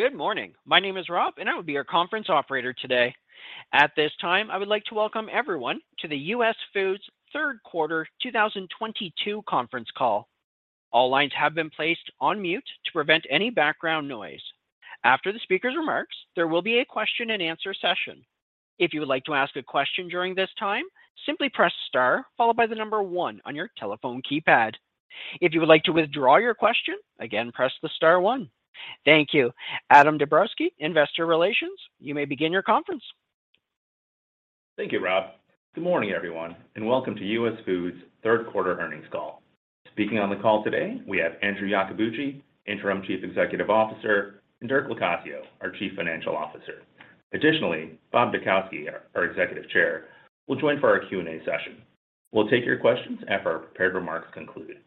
Good morning. My name is Rob, and I will be your conference operator today. At this time, I would like to welcome everyone to the US Foods Third Quarter 2022 Conference Call. All lines have been placed on mute to prevent any background noise. After the speaker's remarks, there will be a question-and-answer session. If you would like to ask a question during this time, simply press star followed by the number one on your telephone keypad. If you would like to withdraw your question, again, press the star one. Thank you. Adam Dabrowski, Investor Relations, you may begin your conference. Thank you, Rob. Good morning, everyone, and welcome to US Foods Third Quarter Earnings Call. Speaking on the call today, we have Andrew Iacobucci, Interim Chief Executive Officer, and Dirk Locascio, our Chief Financial Officer. Additionally, Bob Dutkowsky, our Executive Chair, will join for our Q&A session. We'll take your questions after our prepared remarks conclude.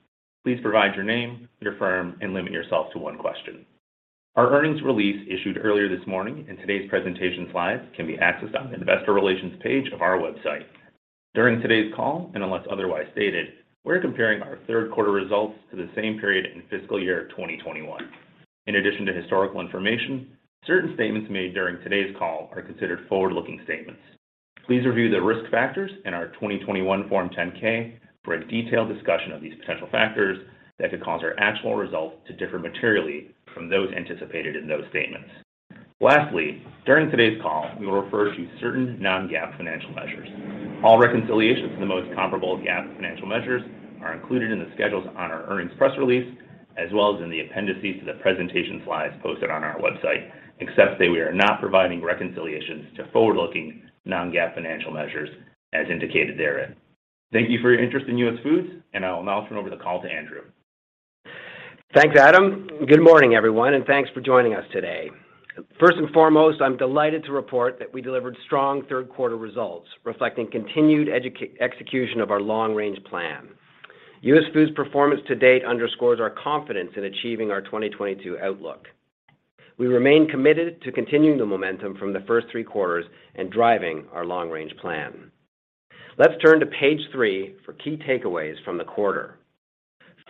Please provide your name, your firm, and limit yourself to one question. Our earnings release issued earlier this morning and today's presentation slides can be accessed on the Investor Relations page of our website. During today's call, and unless otherwise stated, we're comparing our third quarter results to the same period in fiscal year 2021. In addition to historical information, certain statements made during today's call are considered forward-looking statements. Please review the risk factors in our 2021 Form 10-K for a detailed discussion of these potential factors that could cause our actual results to differ materially from those anticipated in those statements. Lastly, during today's call, we will refer to certain non-GAAP financial measures. All reconciliations to the most comparable GAAP financial measures are included in the schedules on our earnings press release, as well as in the appendices to the presentation slides posted on our website, except that we are not providing reconciliations to forward-looking non-GAAP financial measures as indicated therein. Thank you for your interest in US Foods, and I will now turn over the call to Andrew. Thanks, Adam. Good morning, everyone, and thanks for joining us today. First and foremost, I'm delighted to report that we delivered strong third quarter results reflecting continued execution of our long-range plan. US Foods' performance to date underscores our confidence in achieving our 2022 outlook. We remain committed to continuing the momentum from the first three quarters and driving our long-range plan. Let's turn to page 3 for key takeaways from the quarter.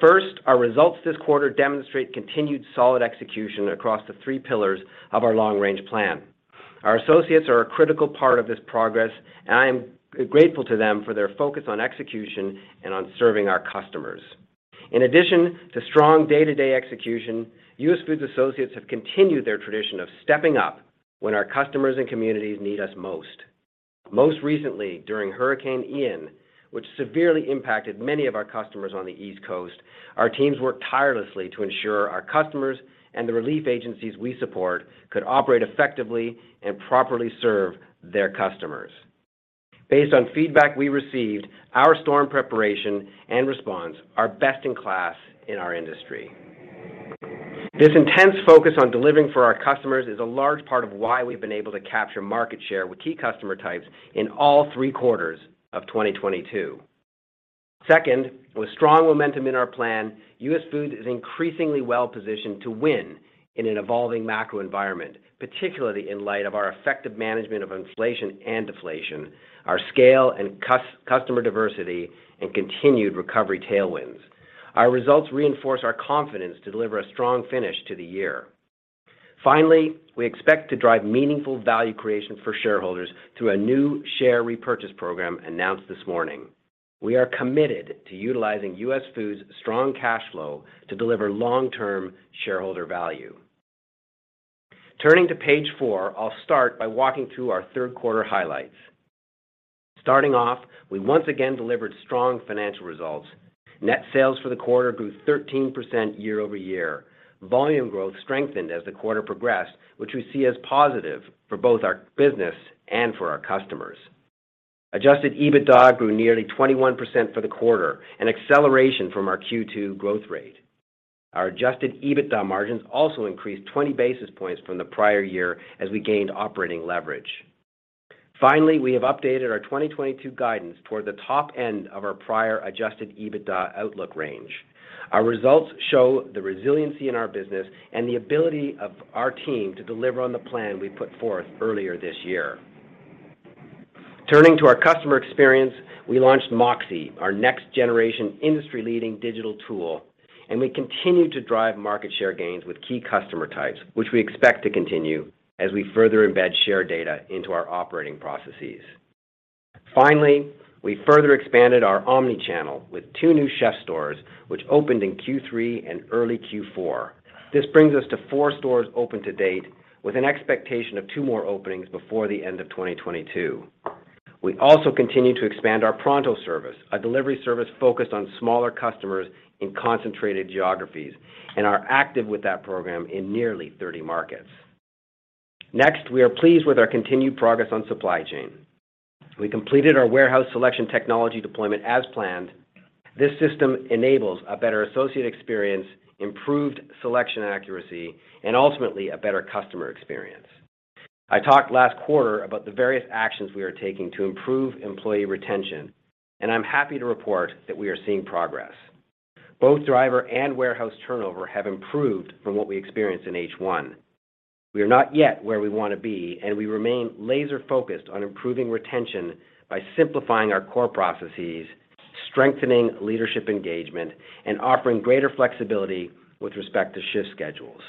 First, our results this quarter demonstrate continued solid execution across the three pillars of our long-range plan. Our associates are a critical part of this progress, and I am grateful to them for their focus on execution and on serving our customers. In addition to strong day-to-day execution, US Foods associates have continued their tradition of stepping up when our customers and communities need us most. Most recently, during Hurricane Ian, which severely impacted many of our customers on the East Coast, our teams worked tirelessly to ensure our customers and the relief agencies we support could operate effectively and properly serve their customers. Based on feedback we received, our storm preparation and response are best in class in our industry. This intense focus on delivering for our customers is a large part of why we've been able to capture market share with key customer types in all three quarters of 2022. Second, with strong momentum in our plan, US Foods is increasingly well-positioned to win in an evolving macro environment, particularly in light of our effective management of inflation and deflation, our scale and customer diversity, and continued recovery tailwinds. Our results reinforce our confidence to deliver a strong finish to the year. Finally, we expect to drive meaningful value creation for shareholders through a new share repurchase program announced this morning. We are committed to utilizing US Foods' strong cash flow to deliver long-term shareholder value. Turning to page four, I'll start by walking through our third quarter highlights. Starting off, we once again delivered strong financial results. Net sales for the quarter grew 13% year-over-year. Volume growth strengthened as the quarter progressed, which we see as positive for both our business and for our customers. Adjusted EBITDA grew nearly 21% for the quarter, an acceleration from our Q2 growth rate. Our adjusted EBITDA margins also increased 20 basis points from the prior year as we gained operating leverage. Finally, we have updated our 2022 guidance toward the top end of our prior adjusted EBITDA outlook range. Our results show the resiliency in our business and the ability of our team to deliver on the plan we put forth earlier this year. Turning to our customer experience, we launched MOXē, our next generation industry-leading digital tool, and we continue to drive market share gains with key customer types, which we expect to continue as we further embed share data into our operating processes. Finally, we further expanded our omni-channel with 2 new CHEF'STOREs, which opened in Q3 and early Q4. This brings us to 4 stores open to date with an expectation of 2 more openings before the end of 2022. We also continue to expand our Pronto service, a delivery service focused on smaller customers in concentrated geographies, and are active with that program in nearly 30 markets. Next, we are pleased with our continued progress on supply chain. We completed our Warehouse Selection technology deployment as planned. This system enables a better associate experience, improved selection accuracy, and ultimately a better customer experience. I talked last quarter about the various actions we are taking to improve employee retention, and I'm happy to report that we are seeing progress. Both driver and warehouse turnover have improved from what we experienced in H1. We are not yet where we want to be, and we remain laser-focused on improving retention by simplifying our core processes, strengthening leadership engagement, and offering greater flexibility with respect to shift schedules.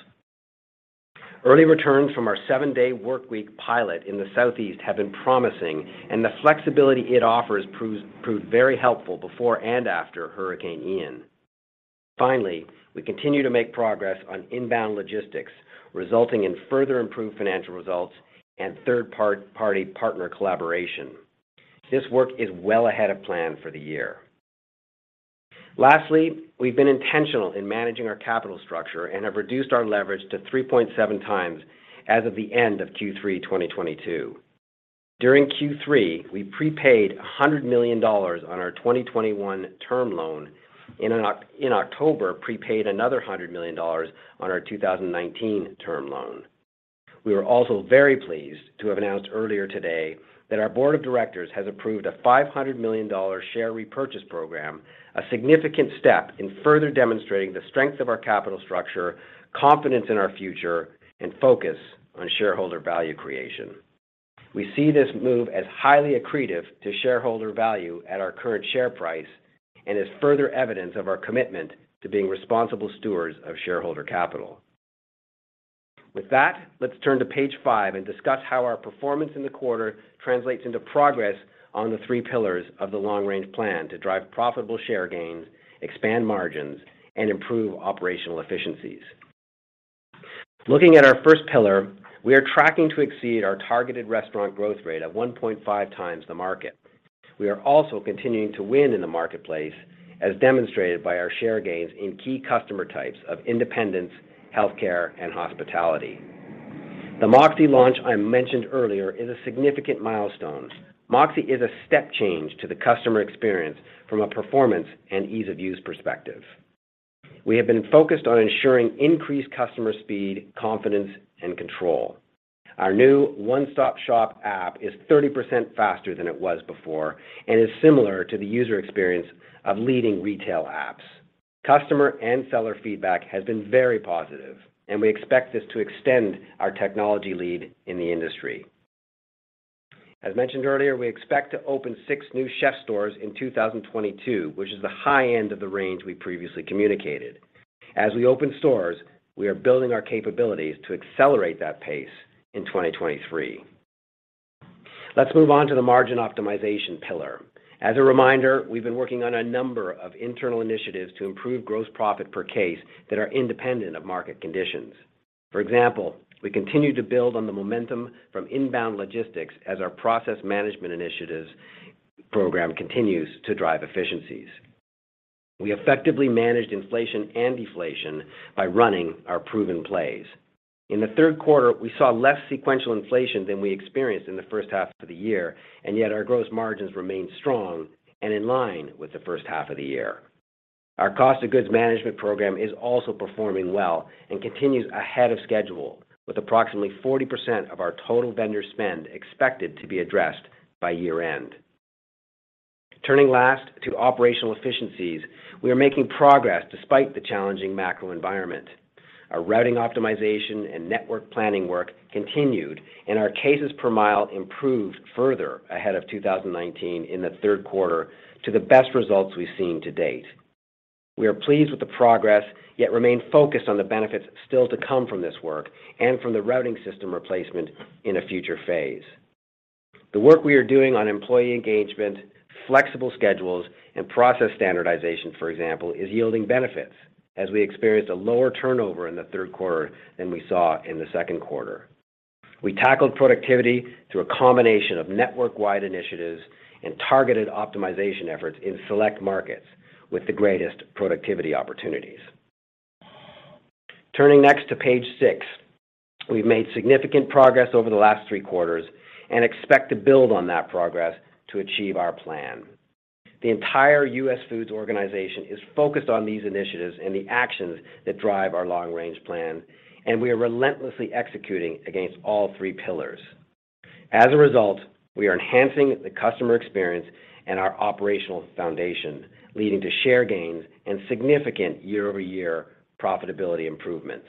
Early returns from our seven-day workweek pilot in the Southeast have been promising, and the flexibility it offers proved very helpful before and after Hurricane Ian. Finally, we continue to make progress on inbound logistics, resulting in further improved financial results and third-party partner collaboration. This work is well ahead of plan for the year. Lastly, we've been intentional in managing our capital structure and have reduced our leverage to 3.7 times as of the end of Q3 2022. During Q3, we prepaid $100 million on our 2021 term loan, in October, prepaid another $100 million on our 2019 term loan. We were also very pleased to have announced earlier today that our board of directors has approved a $500 million share repurchase program, a significant step in further demonstrating the strength of our capital structure, confidence in our future, and focus on shareholder value creation. We see this move as highly accretive to shareholder value at our current share price and as further evidence of our commitment to being responsible stewards of shareholder capital. With that, let's turn to page 5 and discuss how our performance in the quarter translates into progress on the three pillars of the long-range plan to drive profitable share gains, expand margins, and improve operational efficiencies. Looking at our first pillar, we are tracking to exceed our targeted restaurant growth rate of 1.5 times the market. We are also continuing to win in the marketplace, as demonstrated by our share gains in key customer types of independents, healthcare, and hospitality. The MOXē launch I mentioned earlier is a significant milestone. MOXē is a step change to the customer experience from a performance and ease-of-use perspective. We have been focused on ensuring increased customer speed, confidence, and control. Our new one-stop shop app is 30% faster than it was before and is similar to the user experience of leading retail apps. Customer and seller feedback has been very positive, and we expect this to extend our technology lead in the industry. As mentioned earlier, we expect to open 6 new CHEF'STOREs in 2022, which is the high end of the range we previously communicated. As we open CHEF'STOREs, we are building our capabilities to accelerate that pace in 2023. Let's move on to the margin optimization pillar. As a reminder, we've been working on a number of internal initiatives to improve gross profit per case that are independent of market conditions. For example, we continue to build on the momentum from inbound logistics as our process management initiatives program continues to drive efficiencies. We effectively managed inflation and deflation by running our proven plays. In the third quarter, we saw less sequential inflation than we experienced in the first half of the year, and yet our gross margins remained strong and in line with the first half of the year. Our cost of goods management program is also performing well and continues ahead of schedule, with approximately 40% of our total vendor spend expected to be addressed by year-end. Turning last to operational efficiencies, we are making progress despite the challenging macro environment. Our routing optimization and network planning work continued, and our cases per mile improved further ahead of 2019 in the third quarter to the best results we've seen to date. We are pleased with the progress, yet remain focused on the benefits still to come from this work and from the routing system replacement in a future phase. The work we are doing on employee engagement, flexible schedules, and process standardization, for example, is yielding benefits as we experienced a lower turnover in the third quarter than we saw in the second quarter. We tackled productivity through a combination of network-wide initiatives and targeted optimization efforts in select markets with the greatest productivity opportunities. Turning next to page 6. We've made significant progress over the last three quarters and expect to build on that progress to achieve our plan. The entire US Foods organization is focused on these initiatives and the actions that drive our long-range plan, and we are relentlessly executing against all three pillars. As a result, we are enhancing the customer experience and our operational foundation, leading to share gains and significant year-over-year profitability improvements.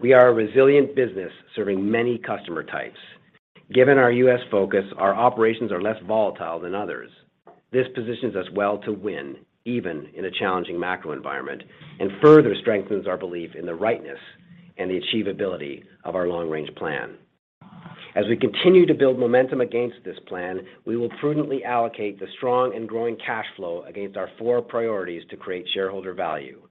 We are a resilient business serving many customer types. Given our U.S. focus, our operations are less volatile than others. This positions us well to win even in a challenging macro environment and further strengthens our belief in the rightness and the achievability of our long-range plan. As we continue to build momentum against this plan, we will prudently allocate the strong and growing cash flow against our four priorities to create shareholder value.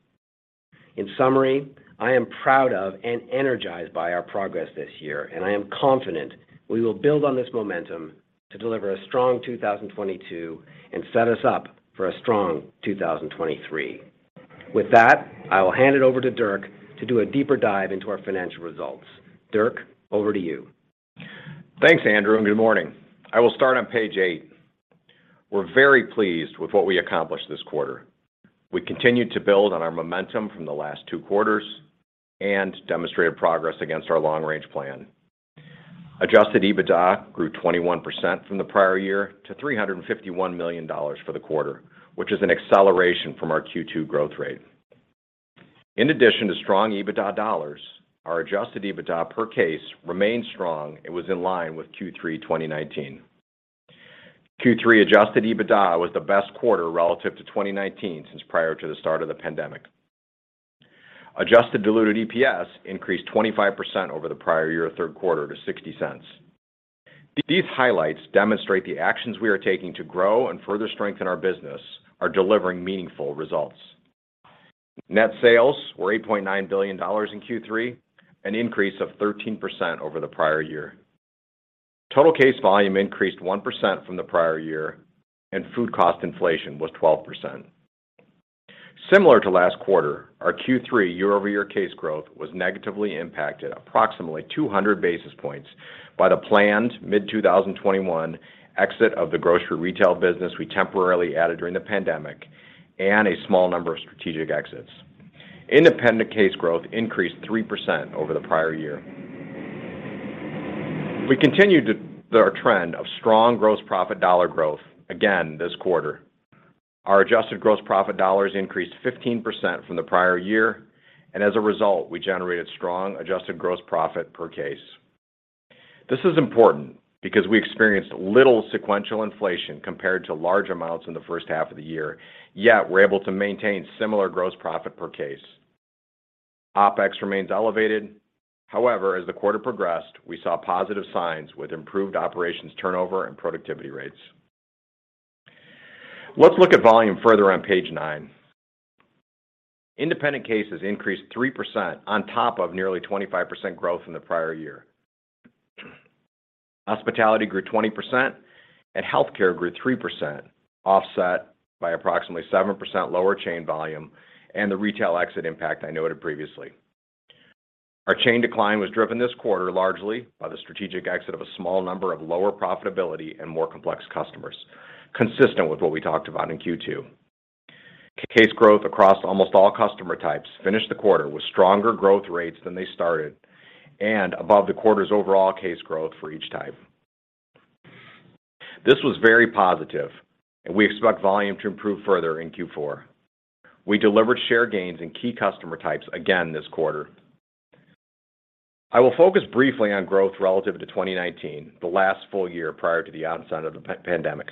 In summary, I am proud of and energized by our progress this year, and I am confident we will build on this momentum to deliver a strong 2022 and set us up for a strong 2023. With that, I will hand it over to Dirk to do a deeper dive into our financial results. Dirk, over to you. Thanks, Andrew, and good morning. I will start on page eight. We're very pleased with what we accomplished this quarter. We continued to build on our momentum from the last two quarters and demonstrated progress against our long-range plan. Adjusted EBITDA grew 21% from the prior year to $351 million for the quarter, which is an acceleration from our Q2 growth rate. In addition to strong EBITDA dollars, our adjusted EBITDA per case remained strong and was in line with Q3 2019. Q3 adjusted EBITDA was the best quarter relative to 2019 since prior to the start of the pandemic. Adjusted diluted EPS increased 25% over the prior year third quarter to $0.60. These highlights demonstrate the actions we are taking to grow and further strengthen our business are delivering meaningful results. Net sales were $8.9 billion in Q3, an increase of 13% over the prior year. Total case volume increased 1% from the prior year, and food cost inflation was 12%. Similar to last quarter, our Q3 year-over-year case growth was negatively impacted approximately 200 basis points by the planned mid-2021 exit of the Grocery Retail business we temporarily added during the pandemic and a small number of strategic exits. Independent case growth increased 3% over the prior year. We continued our trend of strong gross profit dollar growth again this quarter. Our adjusted gross profit dollars increased 15% from the prior year, and as a result, we generated strong adjusted gross profit per case. This is important because we experienced little sequential inflation compared to large amounts in the first half of the year, yet we're able to maintain similar gross profit per case. OpEx remains elevated. However, as the quarter progressed, we saw positive signs with improved operations turnover and productivity rates. Let's look at volume further on page 9. Independent cases increased 3% on top of nearly 25% growth in the prior year. Hospitality grew 20% and healthcare grew 3%, offset by approximately 7% lower chain volume and the retail exit impact I noted previously. Our chain decline was driven this quarter largely by the strategic exit of a small number of lower profitability and more complex customers, consistent with what we talked about in Q2. Case growth across almost all customer types finished the quarter with stronger growth rates than they started and above the quarter's overall case growth for each type. This was very positive, and we expect volume to improve further in Q4. We delivered share gains in key customer types again this quarter. I will focus briefly on growth relative to 2019, the last full year prior to the onset of the pandemic.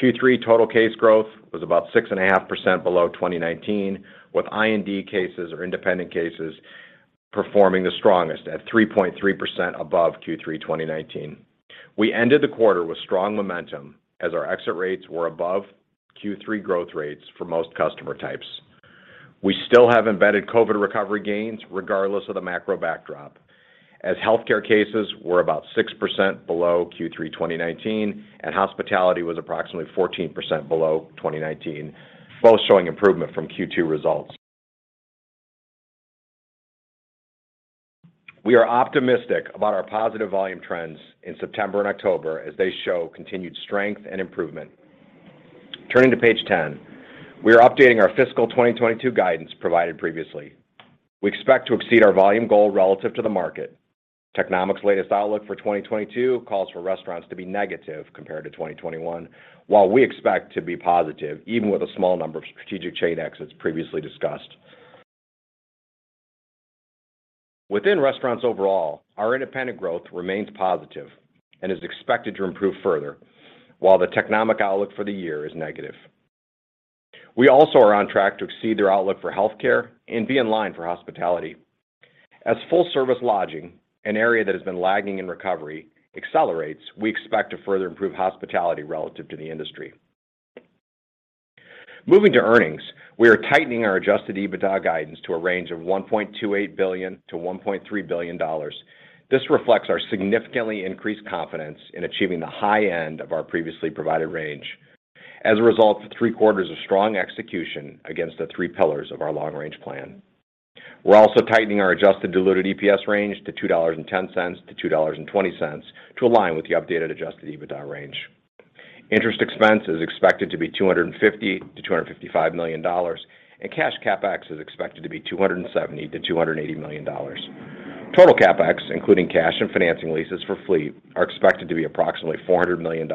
Q3 total case growth was about 6.5% below 2019, with IND cases or independent cases performing the strongest at 3.3% above Q3 2019. We ended the quarter with strong momentum as our exit rates were above Q3 growth rates for most customer types. We still have embedded COVID recovery gains regardless of the macro backdrop, as healthcare cases were about 6% below Q3 2019 and hospitality was approximately 14% below 2019, both showing improvement from Q2 results. We are optimistic about our positive volume trends in September and October as they show continued strength and improvement. Turning to page 10. We are updating our fiscal 2022 guidance provided previously. We expect to exceed our volume goal relative to the market. Technomic's latest outlook for 2022 calls for restaurants to be negative compared to 2021, while we expect to be positive even with a small number of strategic chain exits previously discussed. Within restaurants overall, our independent growth remains positive and is expected to improve further, while the Technomic outlook for the year is negative. We also are on track to exceed their outlook for healthcare and be in line for hospitality. As full-service lodging, an area that has been lagging in recovery, accelerates, we expect to further improve hospitality relative to the industry. Moving to earnings, we are tightening our Adjusted EBITDA guidance to a range of $1.28 billion-$1.3 billion. This reflects our significantly increased confidence in achieving the high end of our previously provided range as a result of three quarters of strong execution against the three pillars of our long-range plan. We're also tightening our Adjusted Diluted EPS range to $2.10-$2.20 to align with the updated Adjusted EBITDA range. Interest expense is expected to be $250 million-$255 million, and cash CapEx is expected to be $270 million-$280 million. Total CapEx, including cash and financing leases for fleet, is expected to be approximately $400 million.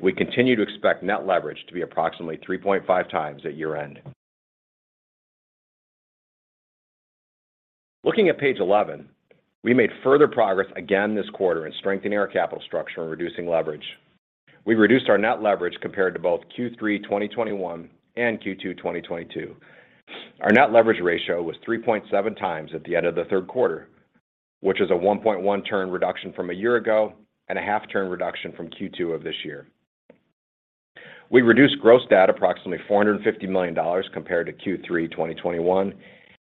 We continue to expect net leverage to be approximately 3.5 times at year-end. Looking at page 11, we made further progress again this quarter in strengthening our capital structure and reducing leverage. We reduced our net leverage compared to both Q3 2021 and Q2 2022. Our net leverage ratio was 3.7 times at the end of the third quarter, which is a 1.1-turn reduction from a year ago and a 0.5-turn reduction from Q2 of this year. We reduced gross debt approximately $450 million compared to Q3 2021,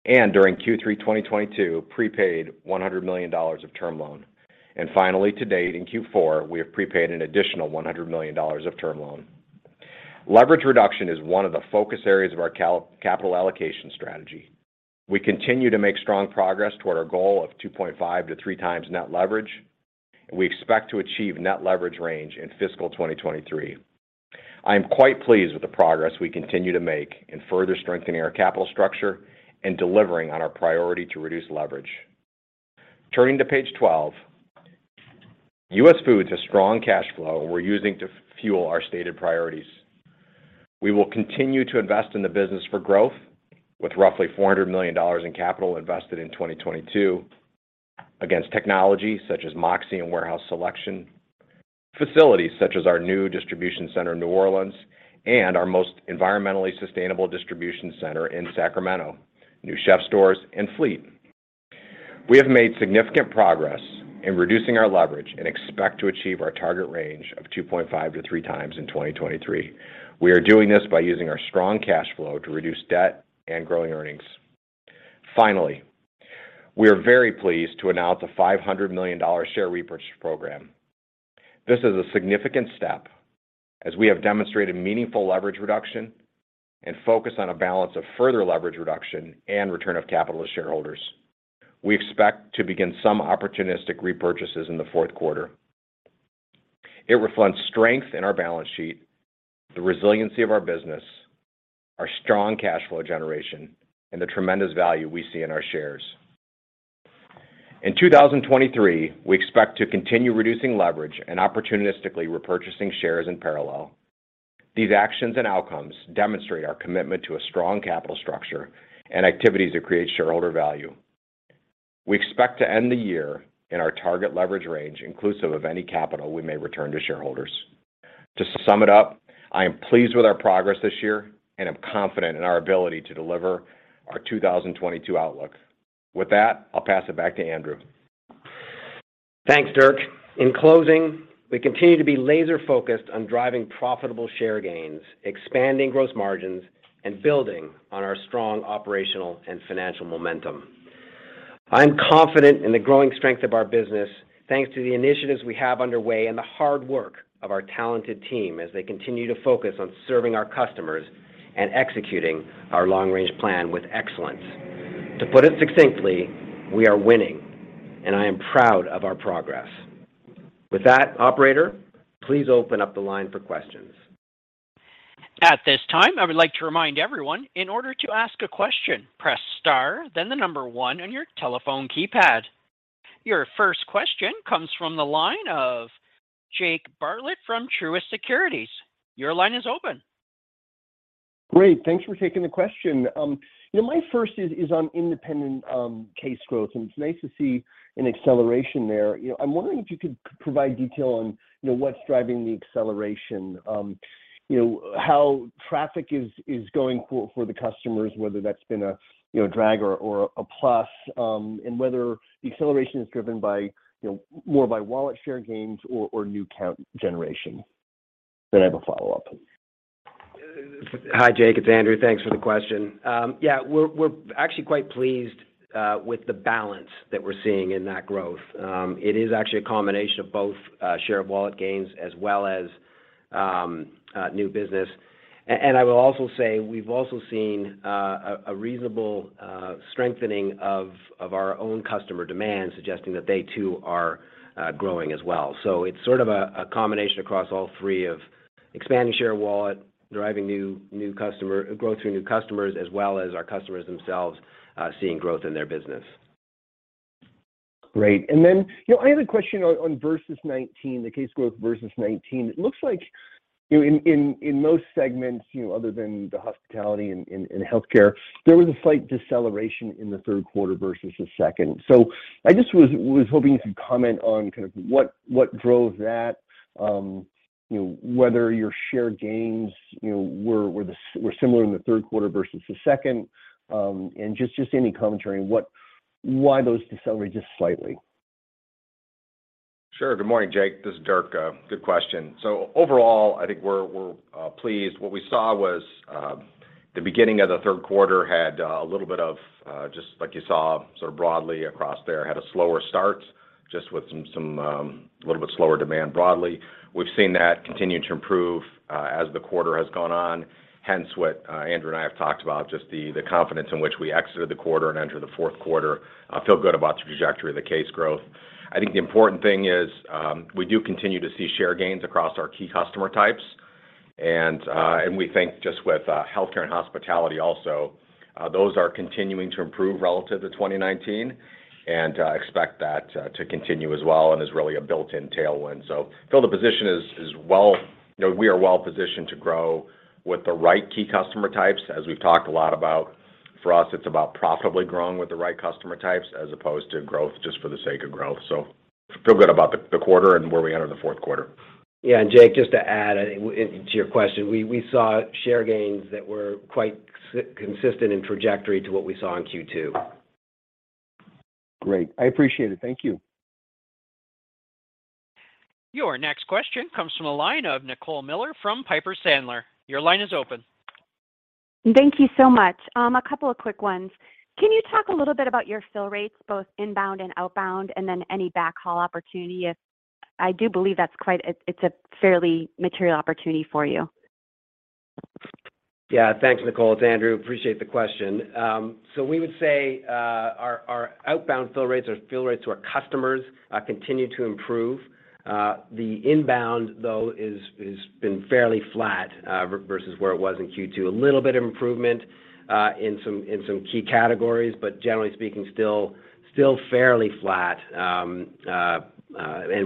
and during Q3 2022, prepaid $100 million of term loan. Finally, to date, in Q4, we have prepaid an additional $100 million of term loan. Leverage reduction is one of the focus areas of our capital allocation strategy. We continue to make strong progress toward our goal of 2.5x-3x net leverage, and we expect to achieve net leverage range in fiscal 2023. I am quite pleased with the progress we continue to make in further strengthening our capital structure and delivering on our priority to reduce leverage. Turning to page 12. US Foods has strong cash flow we're using to fuel our stated priorities. We will continue to invest in the business for growth, with roughly $400 million in capital invested in 2022 on technology such as MOXē and Warehouse Selection, facilities such as our new distribution center in New Orleans, and our most environmentally sustainable distribution center in Sacramento, new CHEF'STOREs, and fleet. We have made significant progress in reducing our leverage and expect to achieve our target range of 2.5-3 times in 2023. We are doing this by using our strong cash flow to reduce debt and growing earnings. Finally, we are very pleased to announce a $500 million share repurchase program. This is a significant step as we have demonstrated meaningful leverage reduction and focus on a balance of further leverage reduction and return of capital to shareholders. We expect to begin some opportunistic repurchases in the fourth quarter. It reflects strength in our balance sheet, the resiliency of our business, our strong cash flow generation, and the tremendous value we see in our shares. In 2023, we expect to continue reducing leverage and opportunistically repurchasing shares in parallel. These actions and outcomes demonstrate our commitment to a strong capital structure and activities that create shareholder value. We expect to end the year in our target leverage range, inclusive of any capital we may return to shareholders. To sum it up, I am pleased with our progress this year and am confident in our ability to deliver our 2022 outlook. With that, I'll pass it back to Andrew. Thanks, Dirk. In closing, we continue to be laser-focused on driving profitable share gains, expanding gross margins, and building on our strong operational and financial momentum. I'm confident in the growing strength of our business thanks to the initiatives we have underway and the hard work of our talented team as they continue to focus on serving our customers and executing our long-range plan with excellence. To put it succinctly, we are winning, and I am proud of our progress. With that, operator, please open up the line for. At this time, I would like to remind everyone, in order to ask a question, press star then the number one on your telephone keypad. Your first question comes from the line of Jake Bartlett from Truist Securities. Your line is open. Great. Thanks for taking the question. You know, my first is on independent case growth, and it's nice to see an acceleration there. You know, I'm wondering if you could provide detail on what's driving the acceleration, you know, how traffic is going for the customers, whether that's been a drag or a plus, and whether the acceleration is driven by more by wallet share gains or new count generation. I have a follow-up. Hi, Jake. It's Andrew. Thanks for the question. Yeah, we're actually quite pleased with the balance that we're seeing in that growth. It is actually a combination of both share of wallet gains as well as new business. And I will also say we've also seen a reasonable strengthening of our own customer demand, suggesting that they too are growing as well. It's sort of a combination across all three of expanding share of wallet, driving new customer growth through new customers, as well as our customers themselves seeing growth in their business. Great. Then, you know, I had a question on versus 2019, the case growth versus 2019. It looks like, you know, in most segments, you know, other than the hospitality and healthcare, there was a slight deceleration in the third quarter versus the second. I just was hoping you could comment on kind of what drove that, you know, whether your share gains, you know, were similar in the third quarter versus the second. And just any commentary on why those decelerated just slightly. Sure. Good morning, Jake. This is Dirk. Good question. Overall, I think we're pleased. What we saw was the beginning of the third quarter had a little bit of just like you saw sort of broadly across the board had a slower start just with some a little bit slower demand broadly. We've seen that continue to improve as the quarter has gone on, hence what Andrew and I have talked about, just the confidence in which we exited the quarter and entered the fourth quarter feel good about the trajectory of the case growth. I think the important thing is we do continue to see share gains across our key customer types. We think just with healthcare and hospitality also, those are continuing to improve relative to 2019 and expect that to continue as well and is really a built-in tailwind. Feel the position is well, you know, we are well positioned to grow with the right key customer types, as we've talked a lot about. For us, it's about profitably growing with the right customer types as opposed to growth just for the sake of growth. Feel good about the quarter and where we enter the fourth quarter. Yeah. Jake, just to add, I think into your question, we saw share gains that were quite consistent in trajectory to what we saw in Q2. Great. I appreciate it. Thank you. Your next question comes from the line of Nicole Miller Regan from Piper Sandler. Your line is open. Thank you so much. A couple of quick ones. Can you talk a little bit about your fill rates, both inbound and outbound, and then any backhaul opportunity. I do believe that's a fairly material opportunity for you. Yeah. Thanks, Nicole. It's Andrew. Appreciate the question. We would say our outbound fill rates or fill rates to our customers continue to improve. The inbound, though, has been fairly flat versus where it was in Q2. A little bit of improvement in some key categories, but generally speaking, still fairly flat.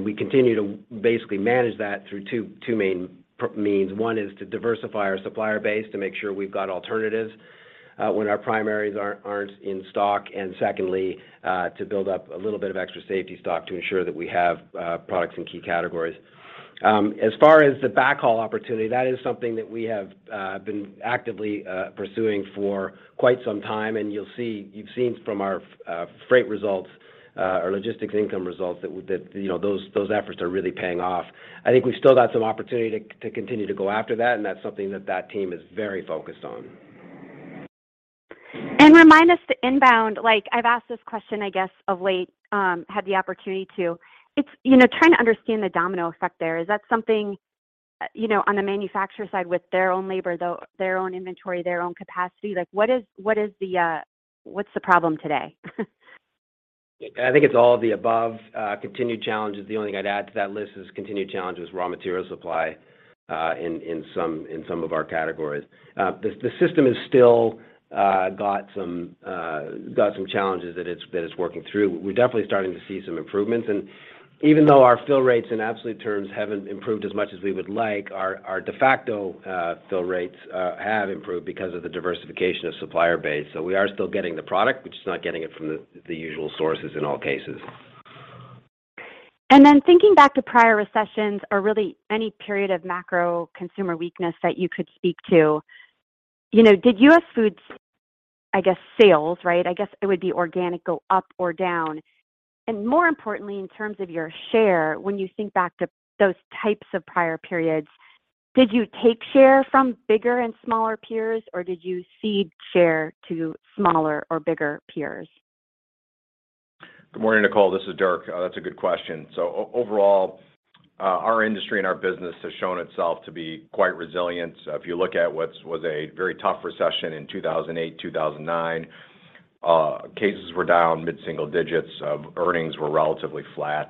We continue to basically manage that through two main means. One is to diversify our supplier base to make sure we've got alternatives when our primaries aren't in stock. And secondly, to build up a little bit of extra safety stock to ensure that we have products in key categories. As far as the backhaul opportunity, that is something that we have been actively pursuing for quite some time, and you'll see, you've seen from our freight results, our logistics income results that you know, those efforts are really paying off. I think we still got some opportunity to continue to go after that, and that's something that team is very focused on. Remind us the inbound, like, I've asked this question, I guess, of late, had the opportunity to. It's, you know, trying to understand the domino effect there. Is that something, you know, on the manufacturer side with their own labor, their own inventory, their own capacity? Like, what's the problem today? I think it's all of the above, continued challenges. The only thing I'd add to that list is continued challenges with raw material supply in some of our categories. The system has still got some challenges that it's working through. We're definitely starting to see some improvements. Even though our fill rates in absolute terms haven't improved as much as we would like, our de facto fill rates have improved because of the diversification of supplier base. We are still getting the product. We're just not getting it from the usual sources in all cases. Then thinking back to prior recessions or really any period of macro consumer weakness that you could speak to, you know, did US Foods, I guess, sales, right? I guess it would be organic, go up or down. More importantly, in terms of your share, when you think back to those types of prior periods, did you take share from bigger and smaller peers, or did you cede share to smaller or bigger peers? Good morning, Nicole. This is Dirk. That's a good question. Overall, our industry and our business has shown itself to be quite resilient. If you look at what was a very tough recession in 2008, 2009, cases were down mid-single digits and earnings were relatively flat.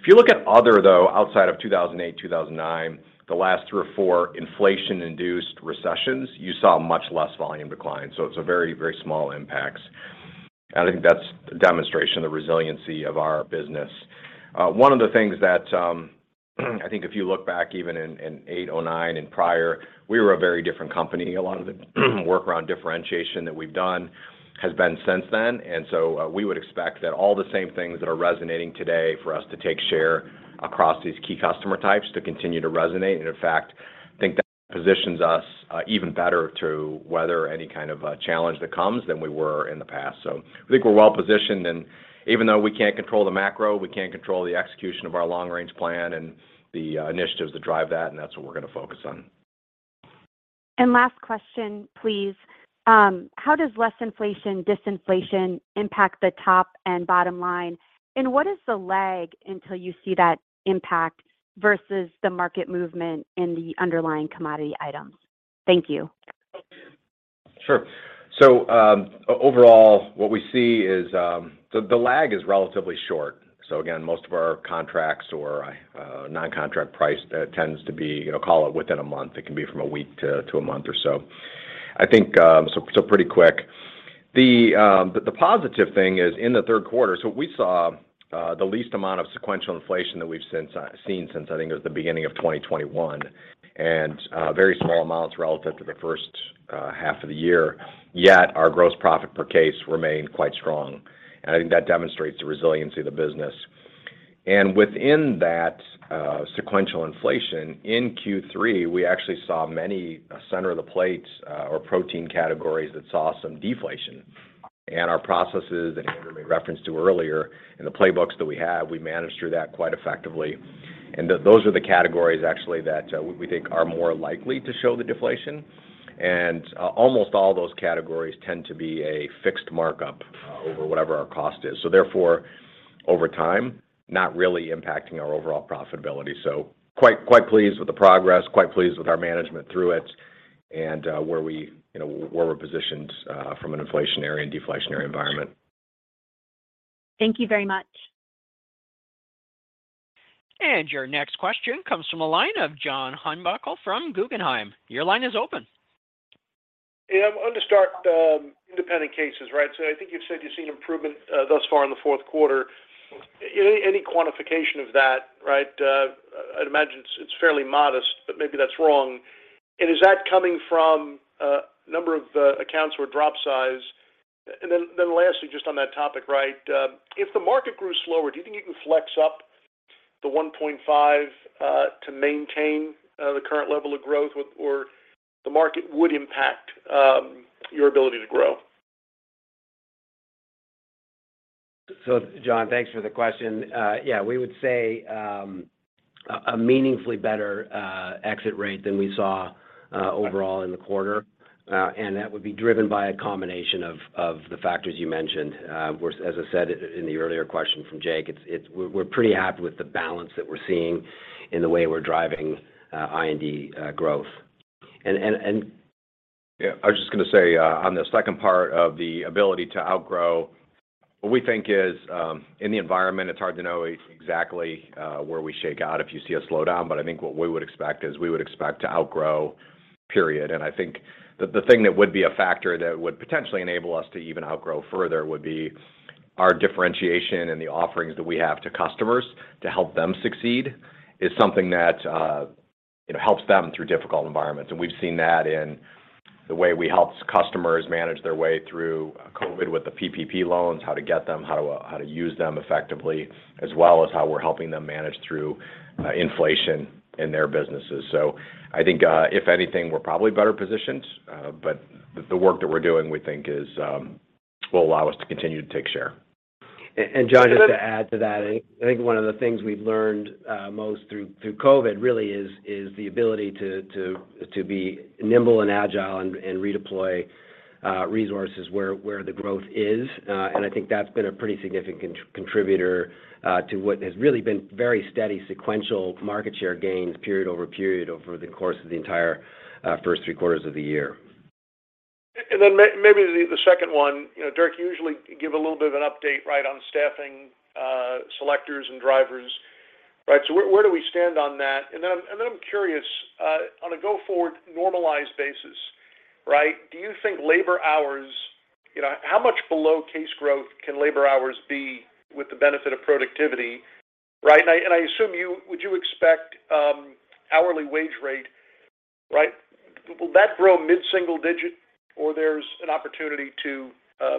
If you look at other, though, outside of 2008, 2009, the last three or four inflation-induced recessions, you saw much less volume decline. It's a very, very small impacts. I think that's a demonstration of the resiliency of our business. One of the things that, I think if you look back even in eight or nine and prior, we were a very different company. A lot of the work around differentiation that we've done has been since then. We would expect that all the same things that are resonating today for us to take share across these key customer types to continue to resonate. In fact, I think that positions us even better to weather any kind of challenge that comes than we were in the past. I think we're well-positioned. Even though we can't control the macro, we can control the execution of our long-range plan and the initiatives to drive that, and that's what we're gonna focus on. Last question, please. How does less inflation, disinflation impact the top and bottom line? What is the lag until you see that impact versus the market movement in the underlying commodity items? Thank you. Sure. Overall, what we see is the lag is relatively short. Again, most of our contracts or non-contract price tends to be, you know, call it within a month. It can be from a week to a month or so. I think so pretty quick. The positive thing is in the third quarter, so we saw the least amount of sequential inflation that we've seen since I think it was the beginning of 2021, and very small amounts relative to the first half of the year, yet our gross profit per case remained quite strong. I think that demonstrates the resiliency of the business. Within that sequential inflation in Q3, we actually saw many center of the plates or protein categories that saw some deflation. Our processes that Andrew made reference to earlier in the playbooks that we have, we managed through that quite effectively. Those are the categories actually that we think are more likely to show the deflation. Almost all those categories tend to be a fixed markup over whatever our cost is. Therefore, over time, not really impacting our overall profitability. Quite pleased with the progress, quite pleased with our management through it and where we, you know, where we're positioned from an inflationary and deflationary environment. Thank you very much. Your next question comes from the line of John Heinbockel from Guggenheim. Your line is open. Yeah. I wanted to start, independent cases, right? I think you've said you've seen improvement, thus far in the fourth quarter. Any quantification of that, right? I'd imagine it's fairly modest, but maybe that's wrong. Is that coming from a number of accounts or drop size? Then lastly, just on that topic, right, if the market grew slower, do you think you can flex up the 1.5% to maintain the current level of growth, or the market would impact your ability to grow? John, thanks for the question. Yeah, we would say a meaningfully better exit rate than we saw overall in the quarter. That would be driven by a combination of the factors you mentioned. As I said in the earlier question from Jake, we're pretty happy with the balance that we're seeing in the way we're driving IND growth. Yeah, I was just gonna say, on the second part of the ability to outgrow, what we think is, in the environment, it's hard to know exactly where we shake out if you see a slowdown. I think what we would expect is to outgrow, period. I think the thing that would be a factor that would potentially enable us to even outgrow further would be our differentiation and the offerings that we have to customers to help them succeed is something that, you know, helps them through difficult environments. We've seen that in the way we helped customers manage their way through, COVID with the PPP loans, how to get them, how to use them effectively, as well as how we're helping them manage through, inflation in their businesses. I think, if anything, we're probably better positioned. The work that we're doing, we think is will allow us to continue to take share. John, just to add to that. I think one of the things we've learned most through COVID really is the ability to be nimble and agile and redeploy resources where the growth is. I think that's been a pretty significant contributor to what has really been very steady sequential market share gains period over period over the course of the entire first three quarters of the year. Maybe the second one. You know, Dirk, you usually give a little bit of an update, right, on staffing, selectors and drivers, right? Where do we stand on that? I'm curious, on a go-forward normalized basis, right, do you think labor hours. You know, how much below case growth can labor hours be with the benefit of productivity, right? I assume you would expect hourly wage rate, right, will that grow mid-single digit, or there's an opportunity to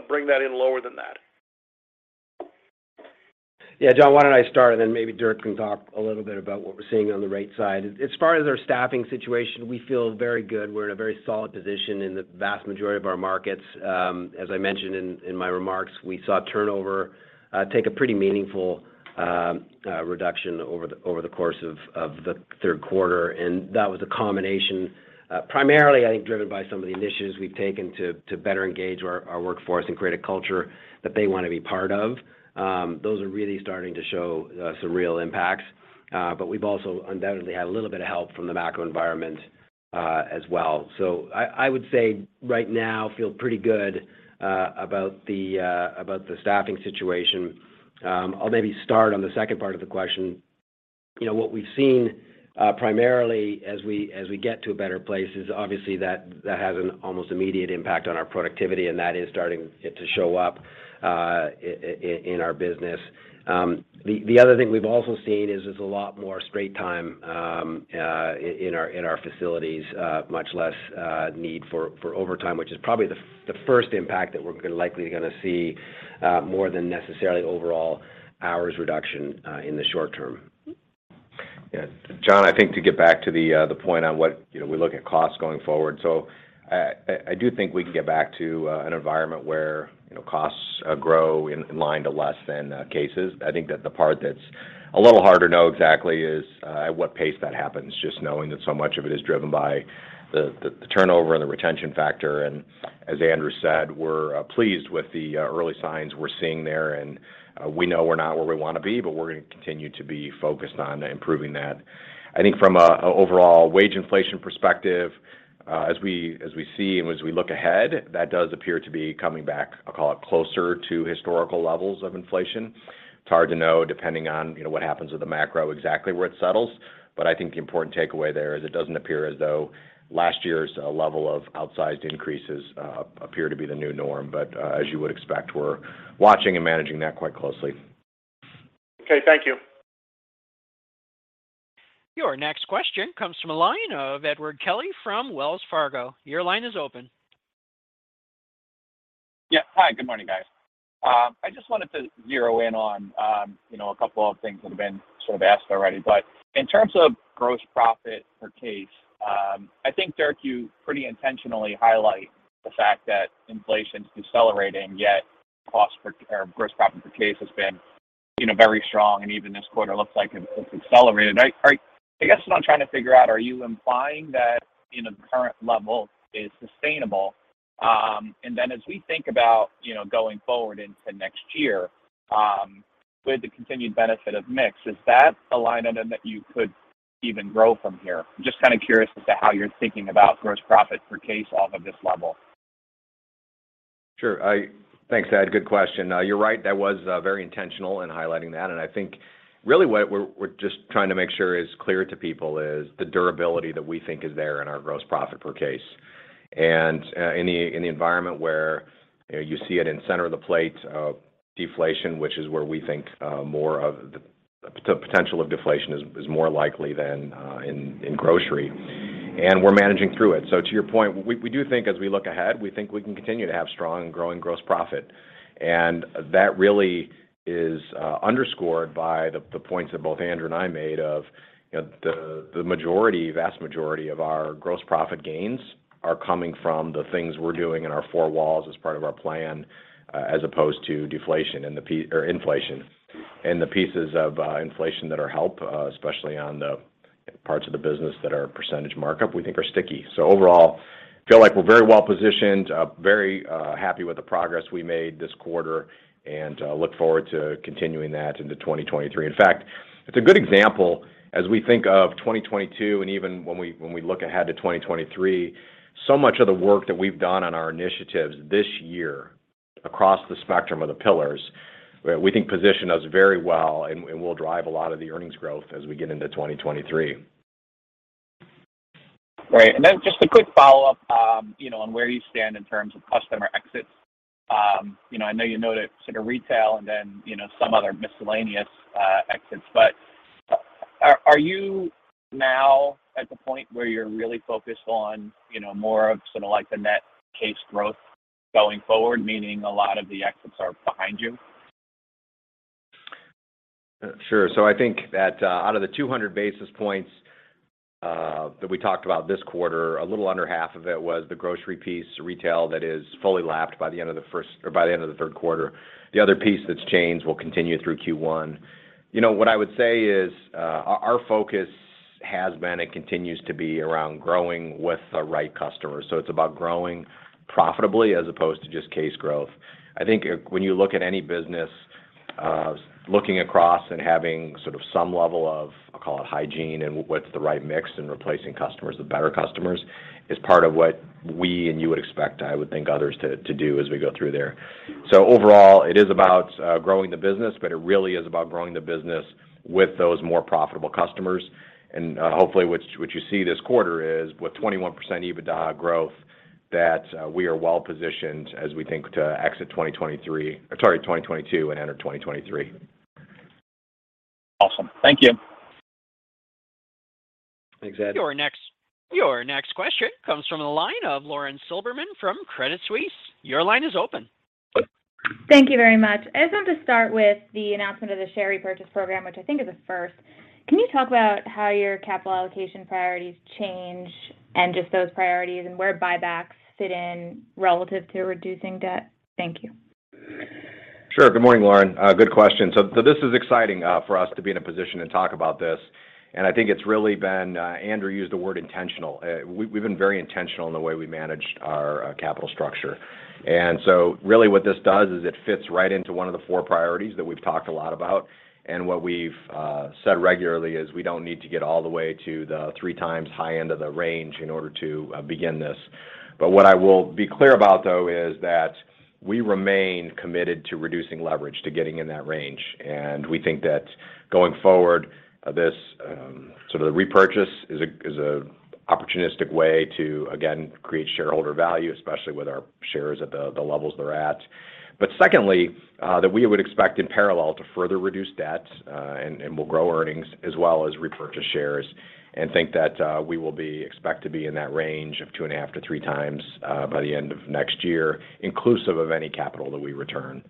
bring that in lower than that? Yeah. John, why don't I start, and then maybe Dirk can talk a little bit about what we're seeing on the rate side. As far as our staffing situation, we feel very good. We're in a very solid position in the vast majority of our markets. As I mentioned in my remarks, we saw turnover take a pretty meaningful reduction over the course of the third quarter, and that was a combination primarily, I think, driven by some of the initiatives we've taken to better engage our workforce and create a culture that they wanna be part of. Those are really starting to show some real impacts. But we've also undoubtedly had a little bit of help from the macro environment as well. I would say right now feel pretty good about the staffing situation. I'll maybe start on the second part of the question. You know, what we've seen primarily as we get to a better place is obviously that that has an almost immediate impact on our productivity, and that is starting to show up in our business. The other thing we've also seen is there's a lot more straight time in our facilities, much less need for overtime, which is probably the first impact that we're likely gonna see more than necessarily overall hours reduction in the short term. Yeah. John, I think to get back to the point on what, you know, we look at costs going forward. I do think we can get back to an environment where, you know, costs grow in line to less than cases. I think that the part that's a little hard to know exactly is at what pace that happens, just knowing that so much of it is driven by the turnover and the retention factor. As Andrew said, we're pleased with the early signs we're seeing there. We know we're not where we wanna be, but we're gonna continue to be focused on improving that. I think from a overall wage inflation perspective, as we see and as we look ahead, that does appear to be coming back, I'll call it, closer to historical levels of inflation. It's hard to know, depending on, you know, what happens with the macro, exactly where it settles. As you would expect, we're watching and managing that quite closely. Okay, thank you. Your next question comes from a line of Edward Kelly from Wells Fargo. Your line is open. Yeah. Hi. Good morning, guys. I just wanted to zero in on, you know, a couple of things that have been sort of asked already. In terms of gross profit per case, I think, Dirk, you pretty intentionally highlight the fact that inflation's decelerating, yet gross profit per case has been, you know, very strong, and even this quarter looks like it's accelerated. I guess what I'm trying to figure out, are you implying that, you know, the current level is sustainable? Then as we think about, you know, going forward into next year, with the continued benefit of mix, is that a line item that you could even grow from here? I'm just kinda curious as to how you're thinking about gross profit per case off of this level. Sure. Thanks, Ed. Good question. You're right, that was very intentional in highlighting that. I think really what we're just trying to make sure is clear to people is the durability that we think is there in our gross profit per case. In the environment where, you know, you see it in center of the plate deflation, which is where we think more of the potential of deflation is more likely than in grocery, and we're managing through it. To your point, we do think as we look ahead, we think we can continue to have strong and growing gross profit. That really is underscored by the points that both Andrew and I made of, you know, the majority, vast majority of our gross profit gains are coming from the things we're doing in our four walls as part of our plan, as opposed to deflation or inflation. The pieces of inflation that are helpful, especially on the parts of the business that are percentage markup, we think are sticky. Overall, feel like we're very well positioned, very happy with the progress we made this quarter, and look forward to continuing that into 2023. In fact, it's a good example as we think of 2022 and even when we look ahead to 2023, so much of the work that we've done on our initiatives this year across the spectrum of the pillars, we think position us very well and will drive a lot of the earnings growth as we get into 2023. Right. Just a quick follow-up, you know, on where you stand in terms of customer exits. You know, I know you noted sort of retail and then, you know, some other miscellaneous exits. Are you now at the point where you're really focused on, you know, more of sort of like the net case growth going forward, meaning a lot of the exits are behind you? Sure. I think that, out of the 200 basis points that we talked about this quarter, a little under half of it was the grocery piece, retail that is fully lapped by the end of the third quarter. The other piece that's chains will continue through Q1. You know, what I would say is, our focus has been and continues to be around growing with the right customers. It's about growing profitably as opposed to just case growth. I think when you look at any business, looking across and having sort of some level of, I'll call it hygiene and what's the right mix in replacing customers with better customers is part of what we and you would expect, I would think, others to do as we go through there. Overall, it is about growing the business, but it really is about growing the business with those more profitable customers. Hopefully what you see this quarter is with 21% EBITDA growth, that we are well-positioned as we think to exit 2022 and enter 2023. Awesome. Thank you. Thanks, Ed. Your next question comes from the line of Lauren Silberman from Credit Suisse. Your line is open. Thank you very much. I just want to start with the announcement of the share repurchase program, which I think is a first. Can you talk about how your capital allocation priorities change and just those priorities and where buybacks fit in relative to reducing debt? Thank you. Sure. Good morning, Lauren. Good question. This is exciting for us to be in a position to talk about this, and I think it's really been, Andrew used the word intentional. We've been very intentional in the way we managed our capital structure. Really what this does is it fits right into one of the four priorities that we've talked a lot about. What we've said regularly is we don't need to get all the way to the three times high end of the range in order to begin this. What I will be clear about, though, is that we remain committed to reducing leverage to getting in that range. We think that going forward, this sort of repurchase is an opportunistic way to, again, create shareholder value, especially with our shares at the levels they're at. Secondly, we would expect in parallel to further reduce debt, and we'll grow earnings as well as repurchase shares and think that we expect to be in that range of 2.5-3 times by the end of next year, inclusive of any capital that we return.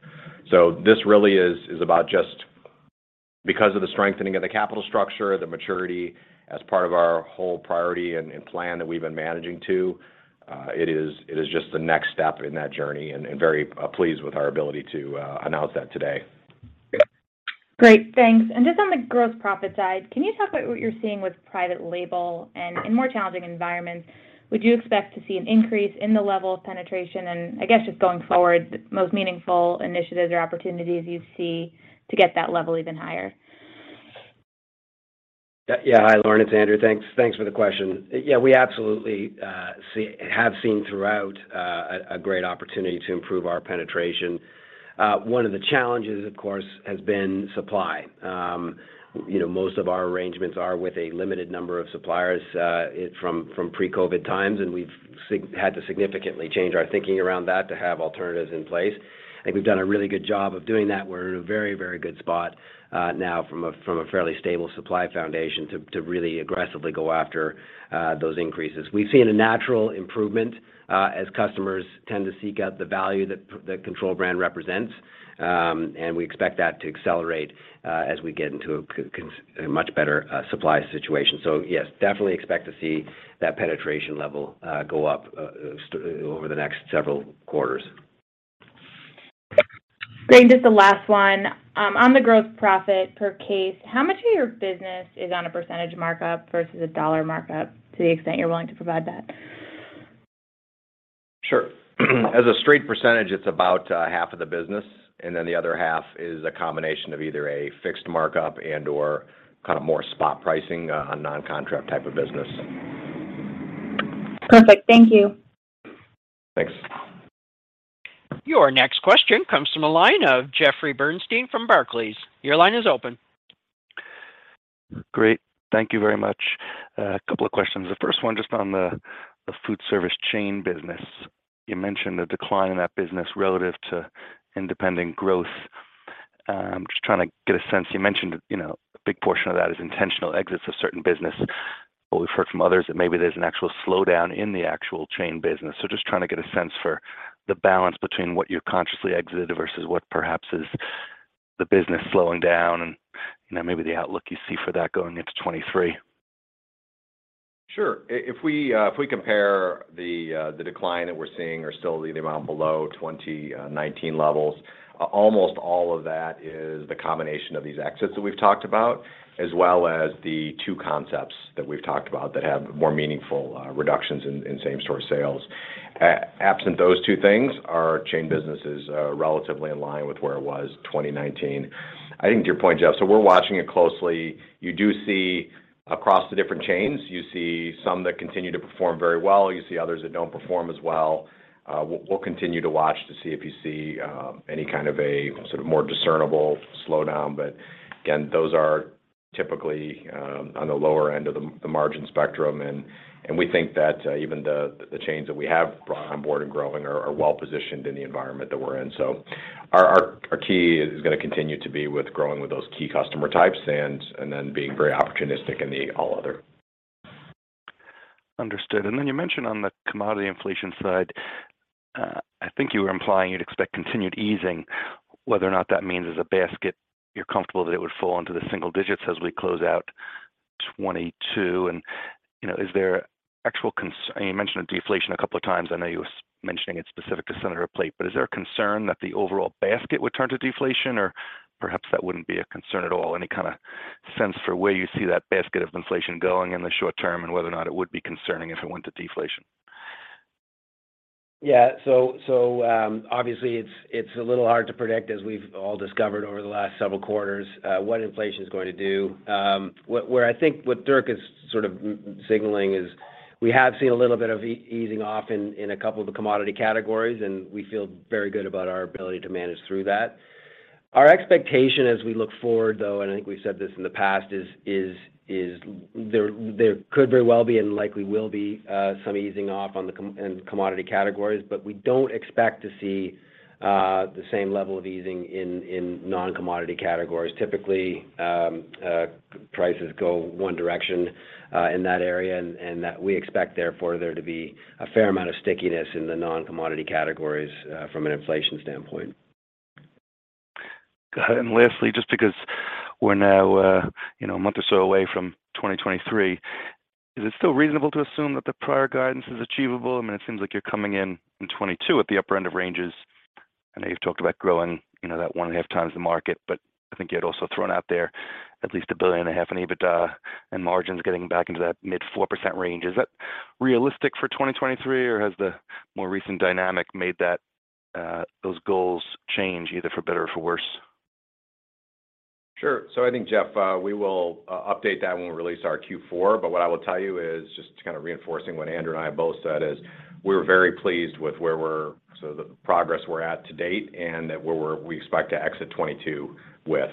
This really is about just because of the strengthening of the capital structure, the maturity as part of our whole priority and plan that we've been managing. It is just the next step in that journey and very pleased with our ability to announce that today. Great. Thanks. Just on the gross profit side, can you talk about what you're seeing with private label and in more challenging environments? Would you expect to see an increase in the level of penetration? I guess just going forward, the most meaningful initiatives or opportunities you see to get that level even higher. Yeah. Hi, Lauren, it's Andrew. Thanks for the question. Yeah, we absolutely have seen throughout a great opportunity to improve our penetration. One of the challenges, of course, has been supply. You know, most of our arrangements are with a limited number of suppliers from pre-COVID times, and we've had to significantly change our thinking around that to have alternatives in place. I think we've done a really good job of doing that. We're in a very, very good spot now from a fairly stable supply foundation to really aggressively go after those increases. We've seen a natural improvement as customers tend to seek out the value that Control brand represents. We expect that to accelerate as we get into a much better supply situation. Yes, definitely expect to see that penetration level go up over the next several quarters. Great. Just the last one. On the gross profit per case, how much of your business is on a percentage markup versus a dollar markup to the extent you're willing to provide that? Sure. As a straight percentage, it's about half of the business, and then the other half is a combination of either a fixed markup and/or kind of more spot pricing on non-contract type of business. Perfect. Thank you. Thanks. Your next question comes from the line of Jeffrey Bernstein from Barclays. Your line is open. Great. Thank you very much. A couple of questions. The first one just on the Food Service Chain business. You mentioned a decline in that business relative to independent growth. Just trying to get a sense. You mentioned, you know, a big portion of that is intentional exits of certain business, but we've heard from others that maybe there's an actual slowdown in the actual Chain business. Just trying to get a sense for the balance between what you consciously exited versus what perhaps is the business slowing down and, you know, maybe the outlook you see for that going into 2023. Sure. If we compare the decline that we're seeing or still the amount below 2019 levels, almost all of that is the combination of these exits that we've talked about, as well as the two concepts that we've talked about that have more meaningful reductions in same-store sales. Absent those two things, our Chain business is relatively in line with where it was 2019. I think to your point, Jeff, so we're watching it closely. You do see across the different chains, you see some that continue to perform very well. You see others that don't perform as well. We'll continue to watch to see if you see any kind of a sort of more discernible slowdown. But again, those are typically on the lower end of the margin spectrum. We think that even the chains that we have brought on board and growing are well positioned in the environment that we're in. Our key is gonna continue to be with growing with those key customer types and then being very opportunistic in the all other. Understood. Then you mentioned on the commodity inflation side, I think you were implying you'd expect continued easing whether or not that means as a basket, you're comfortable that it would fall into the single digits as we close out 2022. You know, is there actual concern and you mentioned a deflation a couple of times. I know you were mentioning it specific to center of plate, but is there a concern that the overall basket would turn to deflation or perhaps that wouldn't be a concern at all? Any kind of sense for where you see that basket of inflation going in the short term and whether or not it would be concerning if it went to deflation? Obviously it's a little hard to predict as we've all discovered over the last several quarters what inflation's going to do. Where I think what Dirk is sort of signaling is we have seen a little bit of easing off in a couple of the commodity categories, and we feel very good about our ability to manage through that. Our expectation as we look forward though, and I think we've said this in the past, is there could very well be and likely will be some easing off in commodity categories, but we don't expect to see the same level of easing in non-commodity categories. Typically, prices go one direction, in that area and that we expect therefore there to be a fair amount of stickiness in the non-commodity categories, from an inflation standpoint. Got it. Lastly, just because we're now, you know, a month or so away from 2023, is it still reasonable to assume that the prior guidance is achievable? I mean, it seems like you're coming in in 2022 at the upper end of ranges. I know you've talked about growing, you know, that 1.5 times the market, but I think you had also thrown out there at least $1.5 billion in EBITDA and margins getting back into that mid-4% range. Is that realistic for 2023 or has the more recent dynamic made that, those goals change either for better or for worse? I think Jeff, we will update that when we release our Q4. What I will tell you is just to kind of reinforcing what Andrew and I both said is we're very pleased with the progress we're at to date and where we expect to exit 2022 with.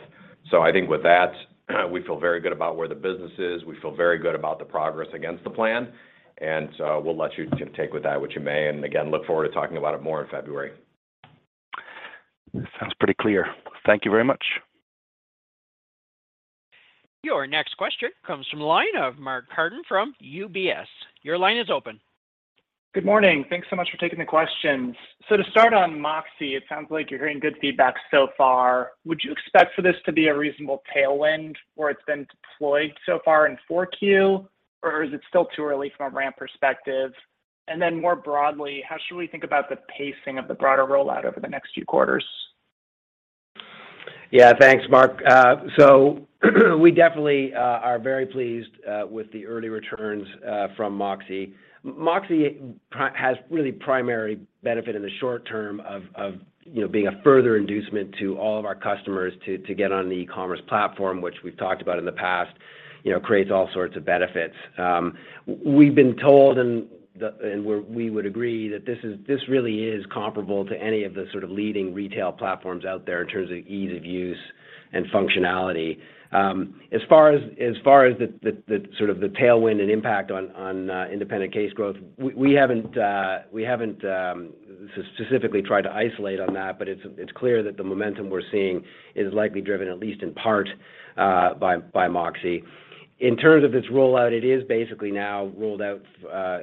I think with that, we feel very good about where the business is. We feel very good about the progress against the plan and we'll let you take with that what you may and again, look forward to talking about it more in February. Sounds pretty clear. Thank you very much. Your next question comes from the line of Mark Carden from UBS. Your line is open. Good morning. Thanks so much for taking the questions. To start on MOXē, it sounds like you're hearing good feedback so far. Would you expect for this to be a reasonable tailwind where it's been deployed so far in 4Q or is it still too early from a ramp perspective? And then more broadly, how should we think about the pacing of the broader rollout over the next few quarters? Yeah, thanks Mark. So we definitely are very pleased with the early returns from MOXē. MOXē has really primary benefit in the short term of, you know, being a further inducement to all of our customers to get on the e-commerce platform, which we've talked about in the past, you know, creates all sorts of benefits. We've been told and we would agree that this really is comparable to any of the sort of leading retail platforms out there in terms of ease of use and functionality. As far as the sort of tailwind and impact on independent case growth, we haven't specifically tried to isolate on that, but it's clear that the momentum we're seeing is likely driven at least in part by MOXē. In terms of its rollout, it is basically now rolled out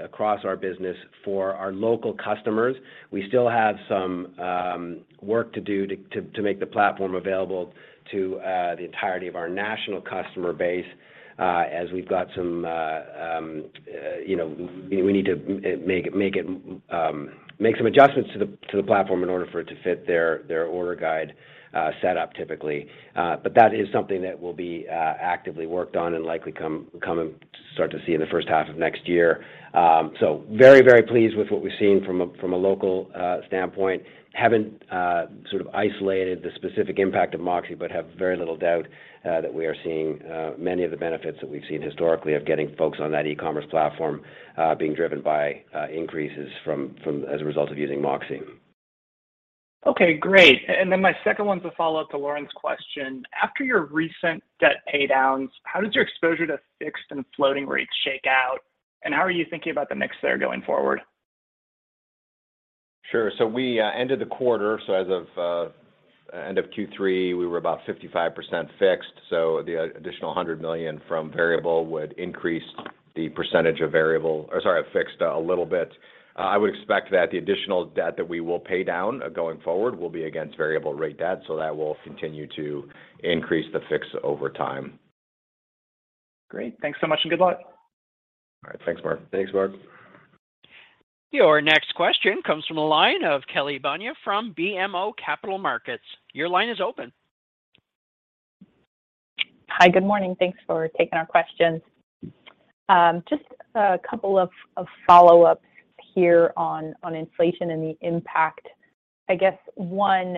across our business for our local customers. We still have some work to do to make the platform available to the entirety of our national customer base, as we've got some, you know, we need to make some adjustments to the platform in order for it to fit their order guide set up typically. That is something that will be actively worked on and likely come and start to see in the first half of next year. Very pleased with what we've seen from a local standpoint. Haven't sort of isolated the specific impact of MOXē, but have very little doubt that we are seeing many of the benefits that we've seen historically of getting folks on that e-commerce platform, being driven by increases from as a result of using MOXē. Okay, great. My second one's a follow up to Lauren's question. After your recent debt pay downs, how does your exposure to fixed and floating rates shake out and how are you thinking about the mix there going forward? Sure. We ended the quarter. As of end of Q3 we were about 55% fixed. The additional $100 million from variable would increase the percentage of fixed a little bit. I would expect that the additional debt that we will pay down going forward will be against variable rate debt. That will continue to increase the fixed over time. Great. Thanks so much and good luck. All right, thanks Mark. Thanks Mark. Your next question comes from the line of Kelly Bania from BMO Capital Markets. Your line is open. Hi, good morning. Thanks for taking our questions. Just a couple of follow-ups here on inflation and the impact. I guess one,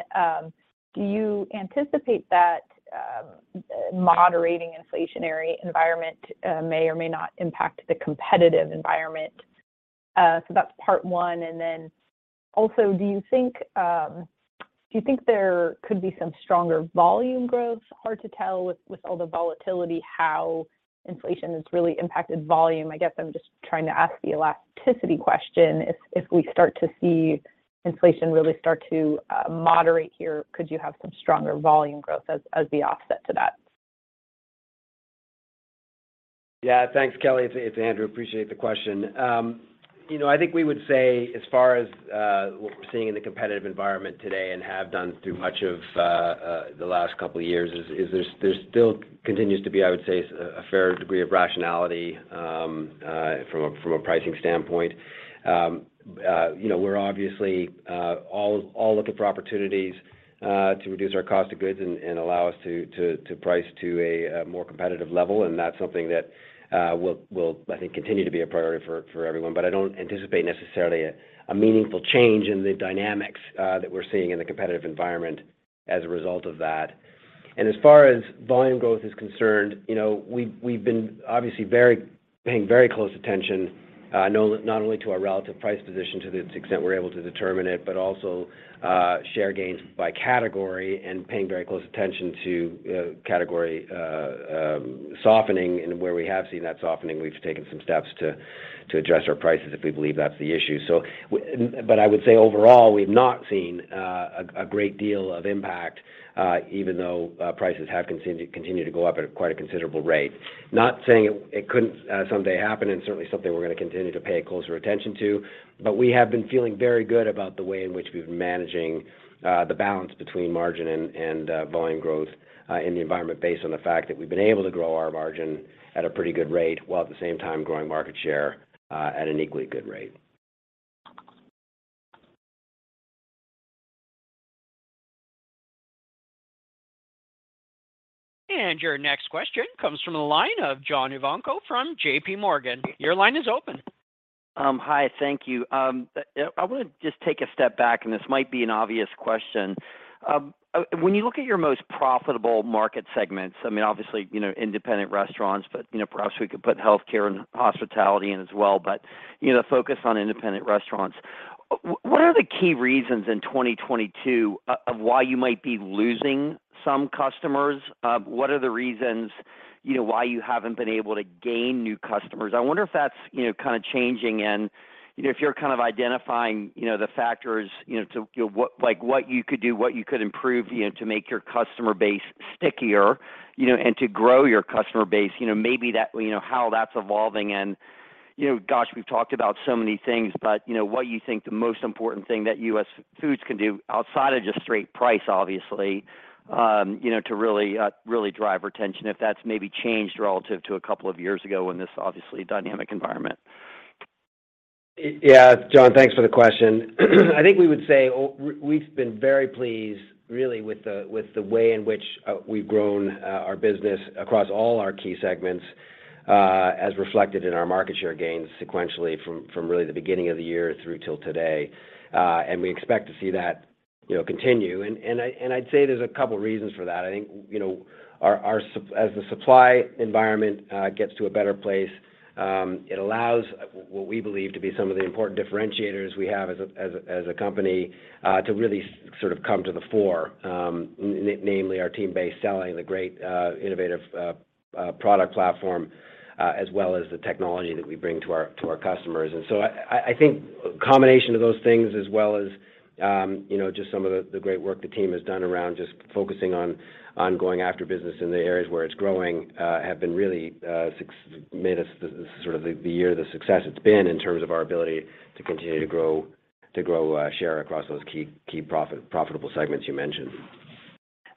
do you anticipate that moderating inflationary environment may or may not impact the competitive environment? That's part one. Do you think there could be some stronger volume growth? Hard to tell with all the volatility how inflation has really impacted volume. I guess I'm just trying to ask the elasticity question. If we start to see inflation really start to moderate here, could you have some stronger volume growth as the offset to that? Yeah. Thanks, Kelly. It's Andrew. Appreciate the question. You know, I think we would say as far as what we're seeing in the competitive environment today and have done through much of the last couple of years is there's still continues to be, I would say a fair degree of rationality from a pricing standpoint. You know, we're obviously all looking for opportunities to reduce our cost of goods and allow us to price to a more competitive level, and that's something that will, I think, continue to be a priority for everyone. I don't anticipate necessarily a meaningful change in the dynamics that we're seeing in the competitive environment as a result of that. As far as volume growth is concerned, you know, we've been obviously paying very close attention not only to our relative price position to the extent we're able to determine it, but also share gains by category and paying very close attention to category softening. Where we have seen that softening, we've taken some steps to adjust our prices if we believe that's the issue. I would say overall, we've not seen a great deal of impact even though prices have continued to go up at quite a considerable rate. Not saying it couldn't someday happen, and certainly something we're gonna continue to pay closer attention to, but we have been feeling very good about the way in which we've been managing the balance between margin and volume growth in the environment based on the fact that we've been able to grow our margin at a pretty good rate while at the same time growing market share at an equally good rate. Your next question comes from the line of John Ivankoe from JPMorgan. Your line is open. Hi. Thank you. I wanna just take a step back, and this might be an obvious question. When you look at your most profitable market segments, I mean, obviously, you know, independent restaurants, but, you know, perhaps we could put healthcare and hospitality in as well. You know, focus on independent restaurants. What are the key reasons in 2022 of why you might be losing some customers? What are the reasons, you know, why you haven't been able to gain new customers? I wonder if that's, you know, kinda changing and, you know, if you're kind of identifying, you know, the factors, you know, to, you know, what—like, what you could do, what you could improve, you know, to make your customer base stickier, you know, and to grow your customer base. You know, maybe that, you know, how that's evolving and, you know, gosh, we've talked about so many things, but, you know, what you think the most important thing that US Foods can do outside of just straight price, obviously, you know, to really drive retention if that's maybe changed relative to a couple of years ago in this obviously dynamic environment. Yeah. John, thanks for the question. I think we would say we've been very pleased really with the way in which we've grown our business across all our key segments as reflected in our market share gains sequentially from really the beginning of the year through till today. We expect to see that, you know, continue. I'd say there's a couple reasons for that. I think, you know, as the supply environment gets to a better place, it allows what we believe to be some of the important differentiators we have as a company to really sort of come to the fore, namely our team-based selling, the great innovative product platform, as well as the technology that we bring to our customers. I think a combination of those things as well as, you know, just some of the great work the team has done around just focusing on going after business in the areas where it's growing have been really successful. Made us the sort of success it's been this year in terms of our ability to continue to grow share across those key profitable segments you mentioned.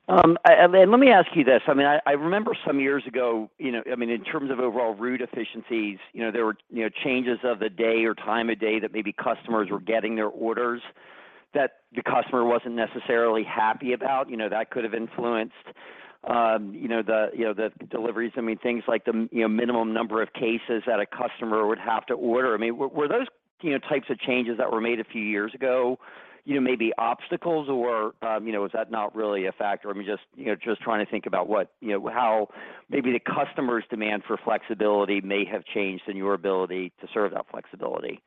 Let me ask you this. I mean, I remember some years ago, you know, I mean, in terms of overall route efficiencies, you know, there were, you know, changes of the day or time of day that maybe customers were getting their orders that your customer wasn't necessarily happy about. You know, that could have influenced, you know, the, you know, the deliveries. I mean, things like the, you know, minimum number of cases that a customer would have to order. I mean, were those, you know, types of changes that were made a few years ago, you know, maybe obstacles or, you know, is that not really a factor? I mean, just, you know, just trying to think about what, you know, how maybe the customer's demand for flexibility may have changed and your ability to serve that flexibility.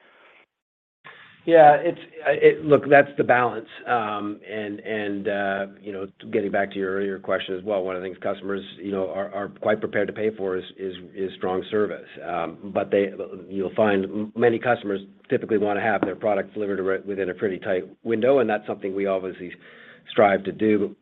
Yeah. Look, that's the balance. You know, getting back to your earlier question as well, one of the things customers, you know, are quite prepared to pay for is strong service. You'll find many customers typically wanna have their product delivered within a pretty tight window, and that's something we obviously strive to do.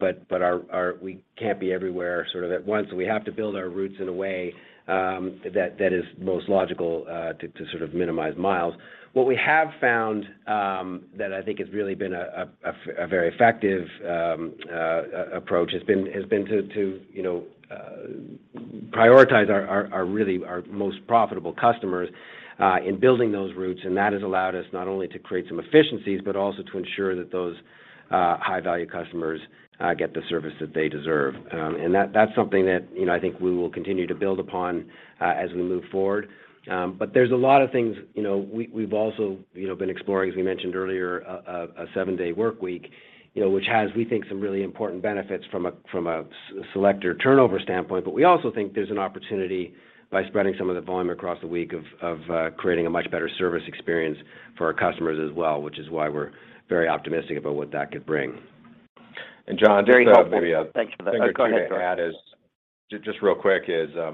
We can't be everywhere sort of at once, so we have to build our routes in a way that is most logical to sort of minimize miles. What we have found that I think has really been a very effective approach has been to you know you prioritize really our most profitable customers in building those routes. That has allowed us not only to create some efficiencies, but also to ensure that those high value customers get the service that they deserve. That's something that you know I think we will continue to build upon as we move forward. There's a lot of things you know we've also you know been exploring, as we mentioned earlier, a seven-day work week you know which has we think some really important benefits from a selector turnover standpoint. We also think there's an opportunity by spreading some of the volume across the week of creating a much better service experience for our customers as well, which is why we're very optimistic about what that could bring. John, just maybe Very helpful. Thank you for that. Oh, go ahead, Dirk. One thing to add is just real quick, you know,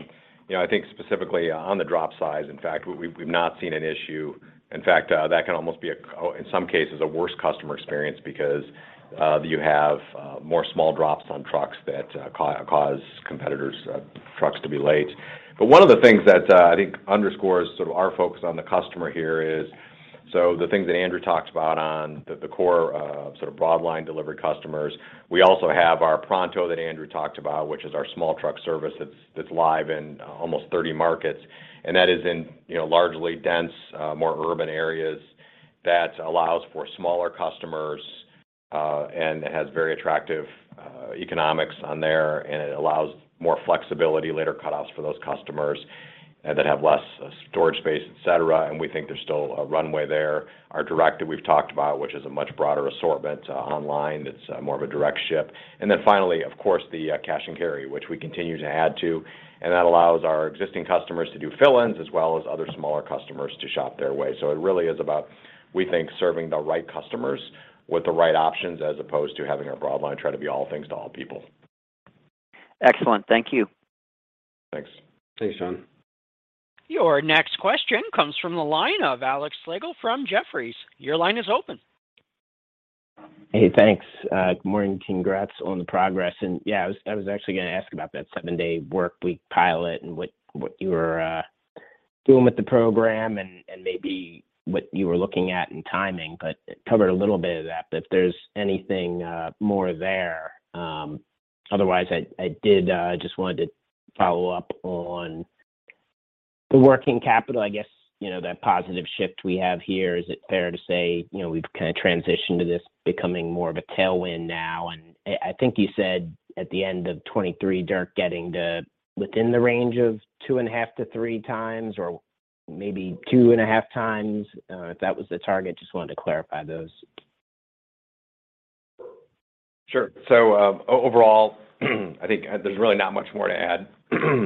I think specifically on the drop size, in fact, we've not seen an issue. In fact, that can almost be a con in some cases, a worse customer experience because you have more small drops on trucks that cause competitors' trucks to be late. One of the things that I think underscores sort of our focus on the customer here is the things that Andrew talked about on the core sort of broad line delivery customers. We also have our Pronto that Andrew talked about, which is our small truck service that's live in almost 30 markets. That is in, you know, largely dense, more urban areas that allows for smaller customers, and has very attractive, economics on there, and it allows more flexibility, later cutoffs for those customers, that have less storage space, et cetera. We think there's still a runway there. Our direct that we've talked about, which is a much broader assortment, online, it's, more of a direct ship. Then finally, of course, the, cash and carry, which we continue to add to. That allows our existing customers to do fill-ins as well as other smaller customers to shop their way. It really is about, we think, serving the right customers with the right options as opposed to having our broad line try to be all things to all people. Excellent. Thank you. Thanks. Thanks, John. Your next question comes from the line of Alexander Slagle from Jefferies. Your line is open. Hey, thanks. Good morning. Congrats on the progress. Yeah, I was actually gonna ask about that seven-day work week pilot and what you were doing with the program and maybe what you were looking at in timing, but it covered a little bit of that. If there's anything more there. Otherwise, I just wanted to follow up on the working capital. I guess, you know, that positive shift we have here, is it fair to say, you know, we've kind of transitioned to this becoming more of a tailwind now? I think you said at the end of 2023, Dirk, getting to within the range of 2.5-3 times or maybe 2.5 times, if that was the target. Just wanted to clarify those. Sure. Overall, I think there's really not much more to add,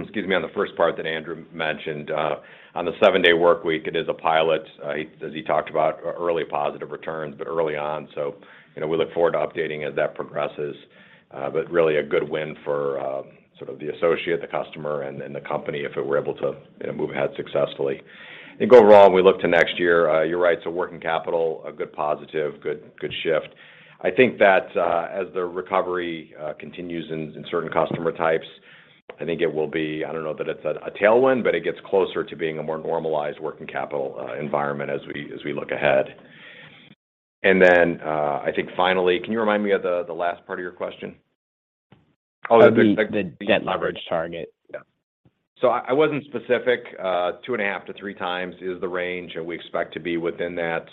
excuse me, on the first part that Andrew mentioned. On the seven-day work week, it is a pilot. He, as he talked about, early positive returns, but early on. You know, we look forward to updating as that progresses. Really a good win for, sort of the associate, the customer, and the company if we're able to, you know, move ahead successfully. I think overall, when we look to next year, you're right, working capital, a good positive, good shift. I think that, as the recovery continues in certain customer types, I think it will be, I don't know that it's a tailwind, but it gets closer to being a more normalized working capital environment as we look ahead. I think finally. Can you remind me of the last part of your question? The net leverage target. Yeah. I wasn't specific. 2.5x-3x is the range, and we expect to be within that.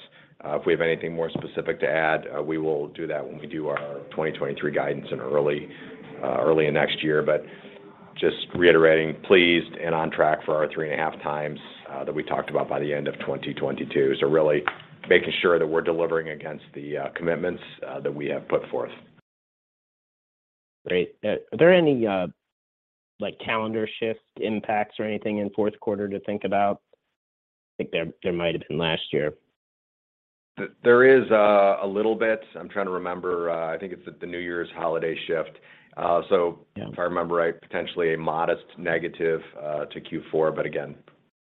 If we have anything more specific to add, we will do that when we do our 2023 guidance in early in next year. Just reiterating, pleased and on track for our 3.5x that we talked about by the end of 2022. Really making sure that we're delivering against the commitments that we have put forth. Great. Are there any, like, calendar shift impacts or anything in fourth quarter to think about? I think there might have been last year. There is a little bit. I'm trying to remember. I think it's the New Year's holiday shift. Yeah. If I remember right, potentially a modest negative to Q4, but again,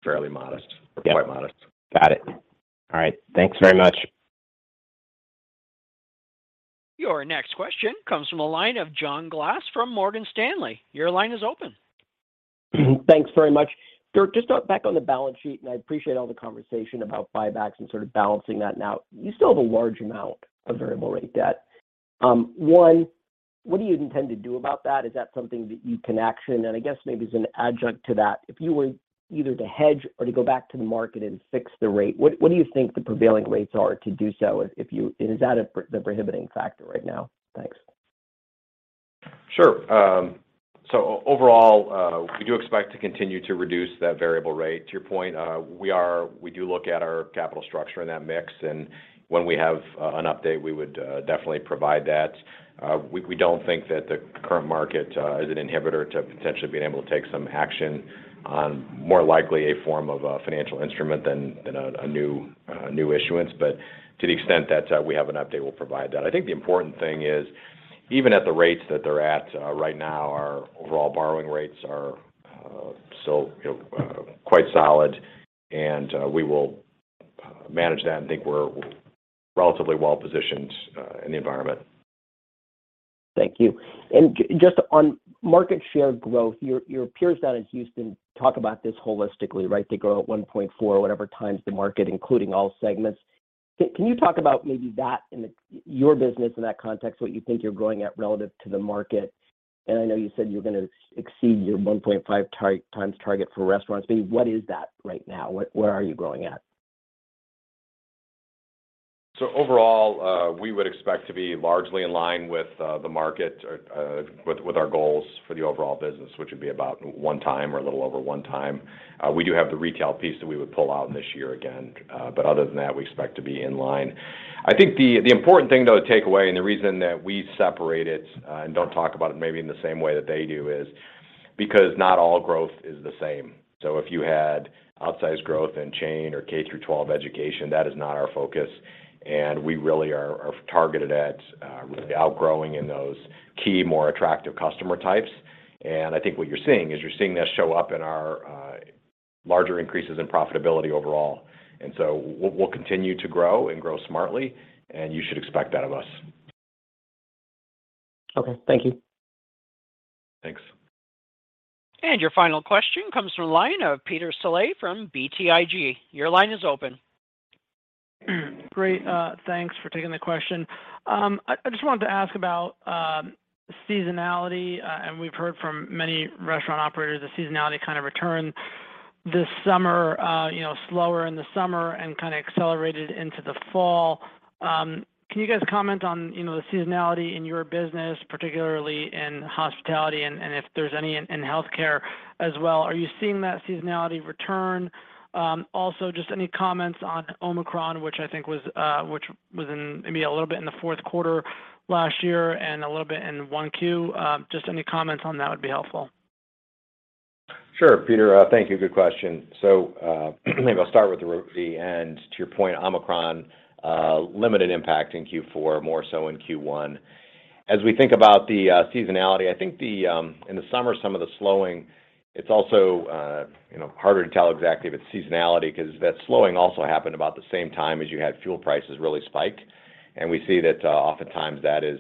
fairly modest. Yeah. Quite modest. Got it. All right. Thanks very much. Your next question comes from the line of John Glass from Morgan Stanley. Your line is open. Thanks very much. Dirk, just back on the balance sheet, and I appreciate all the conversation about buybacks and sort of balancing that now. You still have a large amount of variable rate debt. One, what do you intend to do about that? Is that something that you can action? I guess maybe as an adjunct to that, if you were either to hedge or to go back to the market and fix the rate, what do you think the prevailing rates are to do so if you? Is that the prohibiting factor right now? Thanks. Sure. Overall, we do expect to continue to reduce that variable rate. To your point, we do look at our capital structure and that mix, and when we have an update, we would definitely provide that. We don't think that the current market is an inhibitor to potentially being able to take some action on more likely a form of a financial instrument than a new issuance. To the extent that we have an update, we'll provide that. I think the important thing is, even at the rates that they're at right now, our overall borrowing rates are still, you know, quite solid and we will manage that and think we're relatively well positioned in the environment. Thank you. Just on market share growth, your peers down in Houston talk about this holistically, right? They grow at 1.4 whatever times the market, including all segments. Can you talk about maybe that your business in that context, what you think you're growing at relative to the market? I know you said you're gonna exceed your 1.5 times target for restaurants, but what is that right now? Where are you growing at? Overall, we would expect to be largely in line with the market with our goals for the overall business, which would be about 1x or a little over 1x. We do have the retail piece that we would pull out this year again. Other than that, we expect to be in line. I think the important thing, though, to take away and the reason that we separate it and don't talk about it maybe in the same way that they do is because not all growth is the same. If you had outsized growth in chain or K-12 education, that is not our focus, and we really are targeted at really outgrowing in those key, more attractive customer types. I think what you're seeing is you're seeing that show up in our larger increases in profitability overall. We'll continue to grow and grow smartly, and you should expect that of us. Okay. Thank you. Thanks. Your final question comes from line of Peter Saleh from BTIG. Your line is open. Great, thanks for taking the question. I just wanted to ask about seasonality, and we've heard from many restaurant operators the seasonality kind of returned this summer, you know, slower in the summer and kinda accelerated into the fall. Can you guys comment on, you know, the seasonality in your business, particularly in hospitality and if there's any in healthcare as well? Are you seeing that seasonality return? Also just any comments on Omicron, which I think was in maybe a little bit in the fourth quarter last year and a little bit in 1Q. Just any comments on that would be helpful. Sure, Peter. Thank you. Good question. Maybe I'll start with the end. To your point, Omicron, limited impact in Q4, more so in Q1. As we think about the seasonality, I think in the summer, some of the slowing, it's also, you know, harder to tell exactly if it's seasonality 'cause that slowing also happened about the same time as you had fuel prices really spike. We see that, oftentimes that is,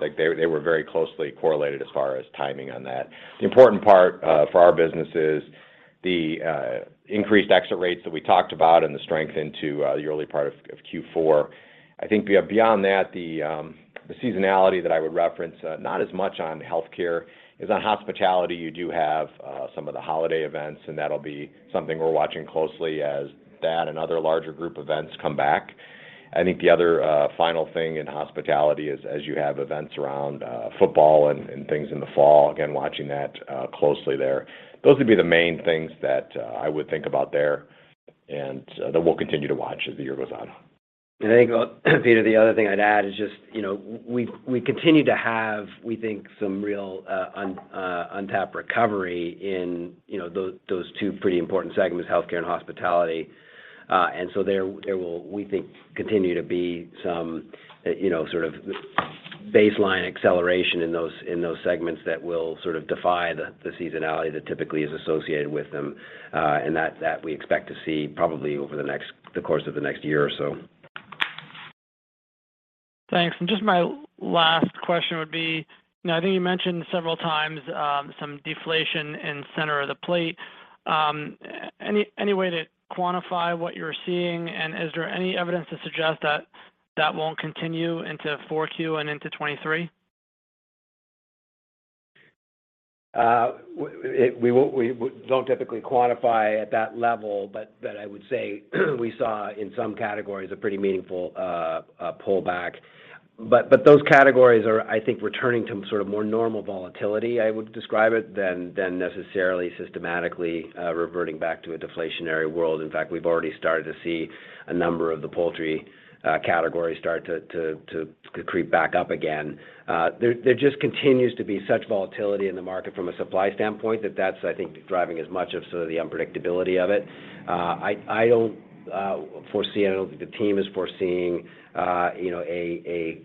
like they were very closely correlated as far as timing on that. The important part for our business is the increased exit rates that we talked about and the strength into the early part of Q4. I think beyond that, the seasonality that I would reference, not as much on healthcare is on hospitality. You do have some of the holiday events, and that'll be something we're watching closely as that and other larger group events come back. I think the other final thing in hospitality is as you have events around football and things in the fall, again, watching that closely there. Those would be the main things that I would think about there and that we'll continue to watch as the year goes on. I think, Peter, the other thing I'd add is just, you know, we continue to have, we think, some real, untapped recovery in, you know, those two pretty important segments, healthcare and hospitality. There will, we think, continue to be some, you know, sort of baseline acceleration in those segments that will sort of defy the seasonality that typically is associated with them. That we expect to see probably over the course of the next year or so. Thanks. Just my last question would be, now I think you mentioned several times, some deflation in center of the plate. Any way to quantify what you're seeing? Is there any evidence to suggest that that won't continue into 4Q and into 2023? We don't typically quantify at that level, but I would say we saw in some categories a pretty meaningful pullback. Those categories are, I think, returning to sort of more normal volatility, I would describe it, than necessarily systematically reverting back to a deflationary world. In fact, we've already started to see a number of the poultry categories start to creep back up again. There just continues to be such volatility in the market from a supply standpoint that that's, I think, driving as much of sort of the unpredictability of it. I don't foresee and I don't think the team is foreseeing, you know, a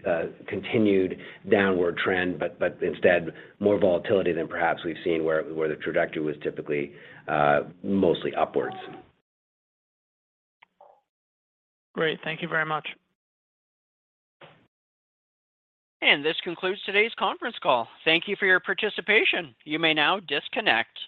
continued downward trend, but instead more volatility than perhaps we've seen where the trajectory was typically mostly upwards. Great. Thank you very much. This concludes today's conference call. Thank you for your participation. You may now disconnect.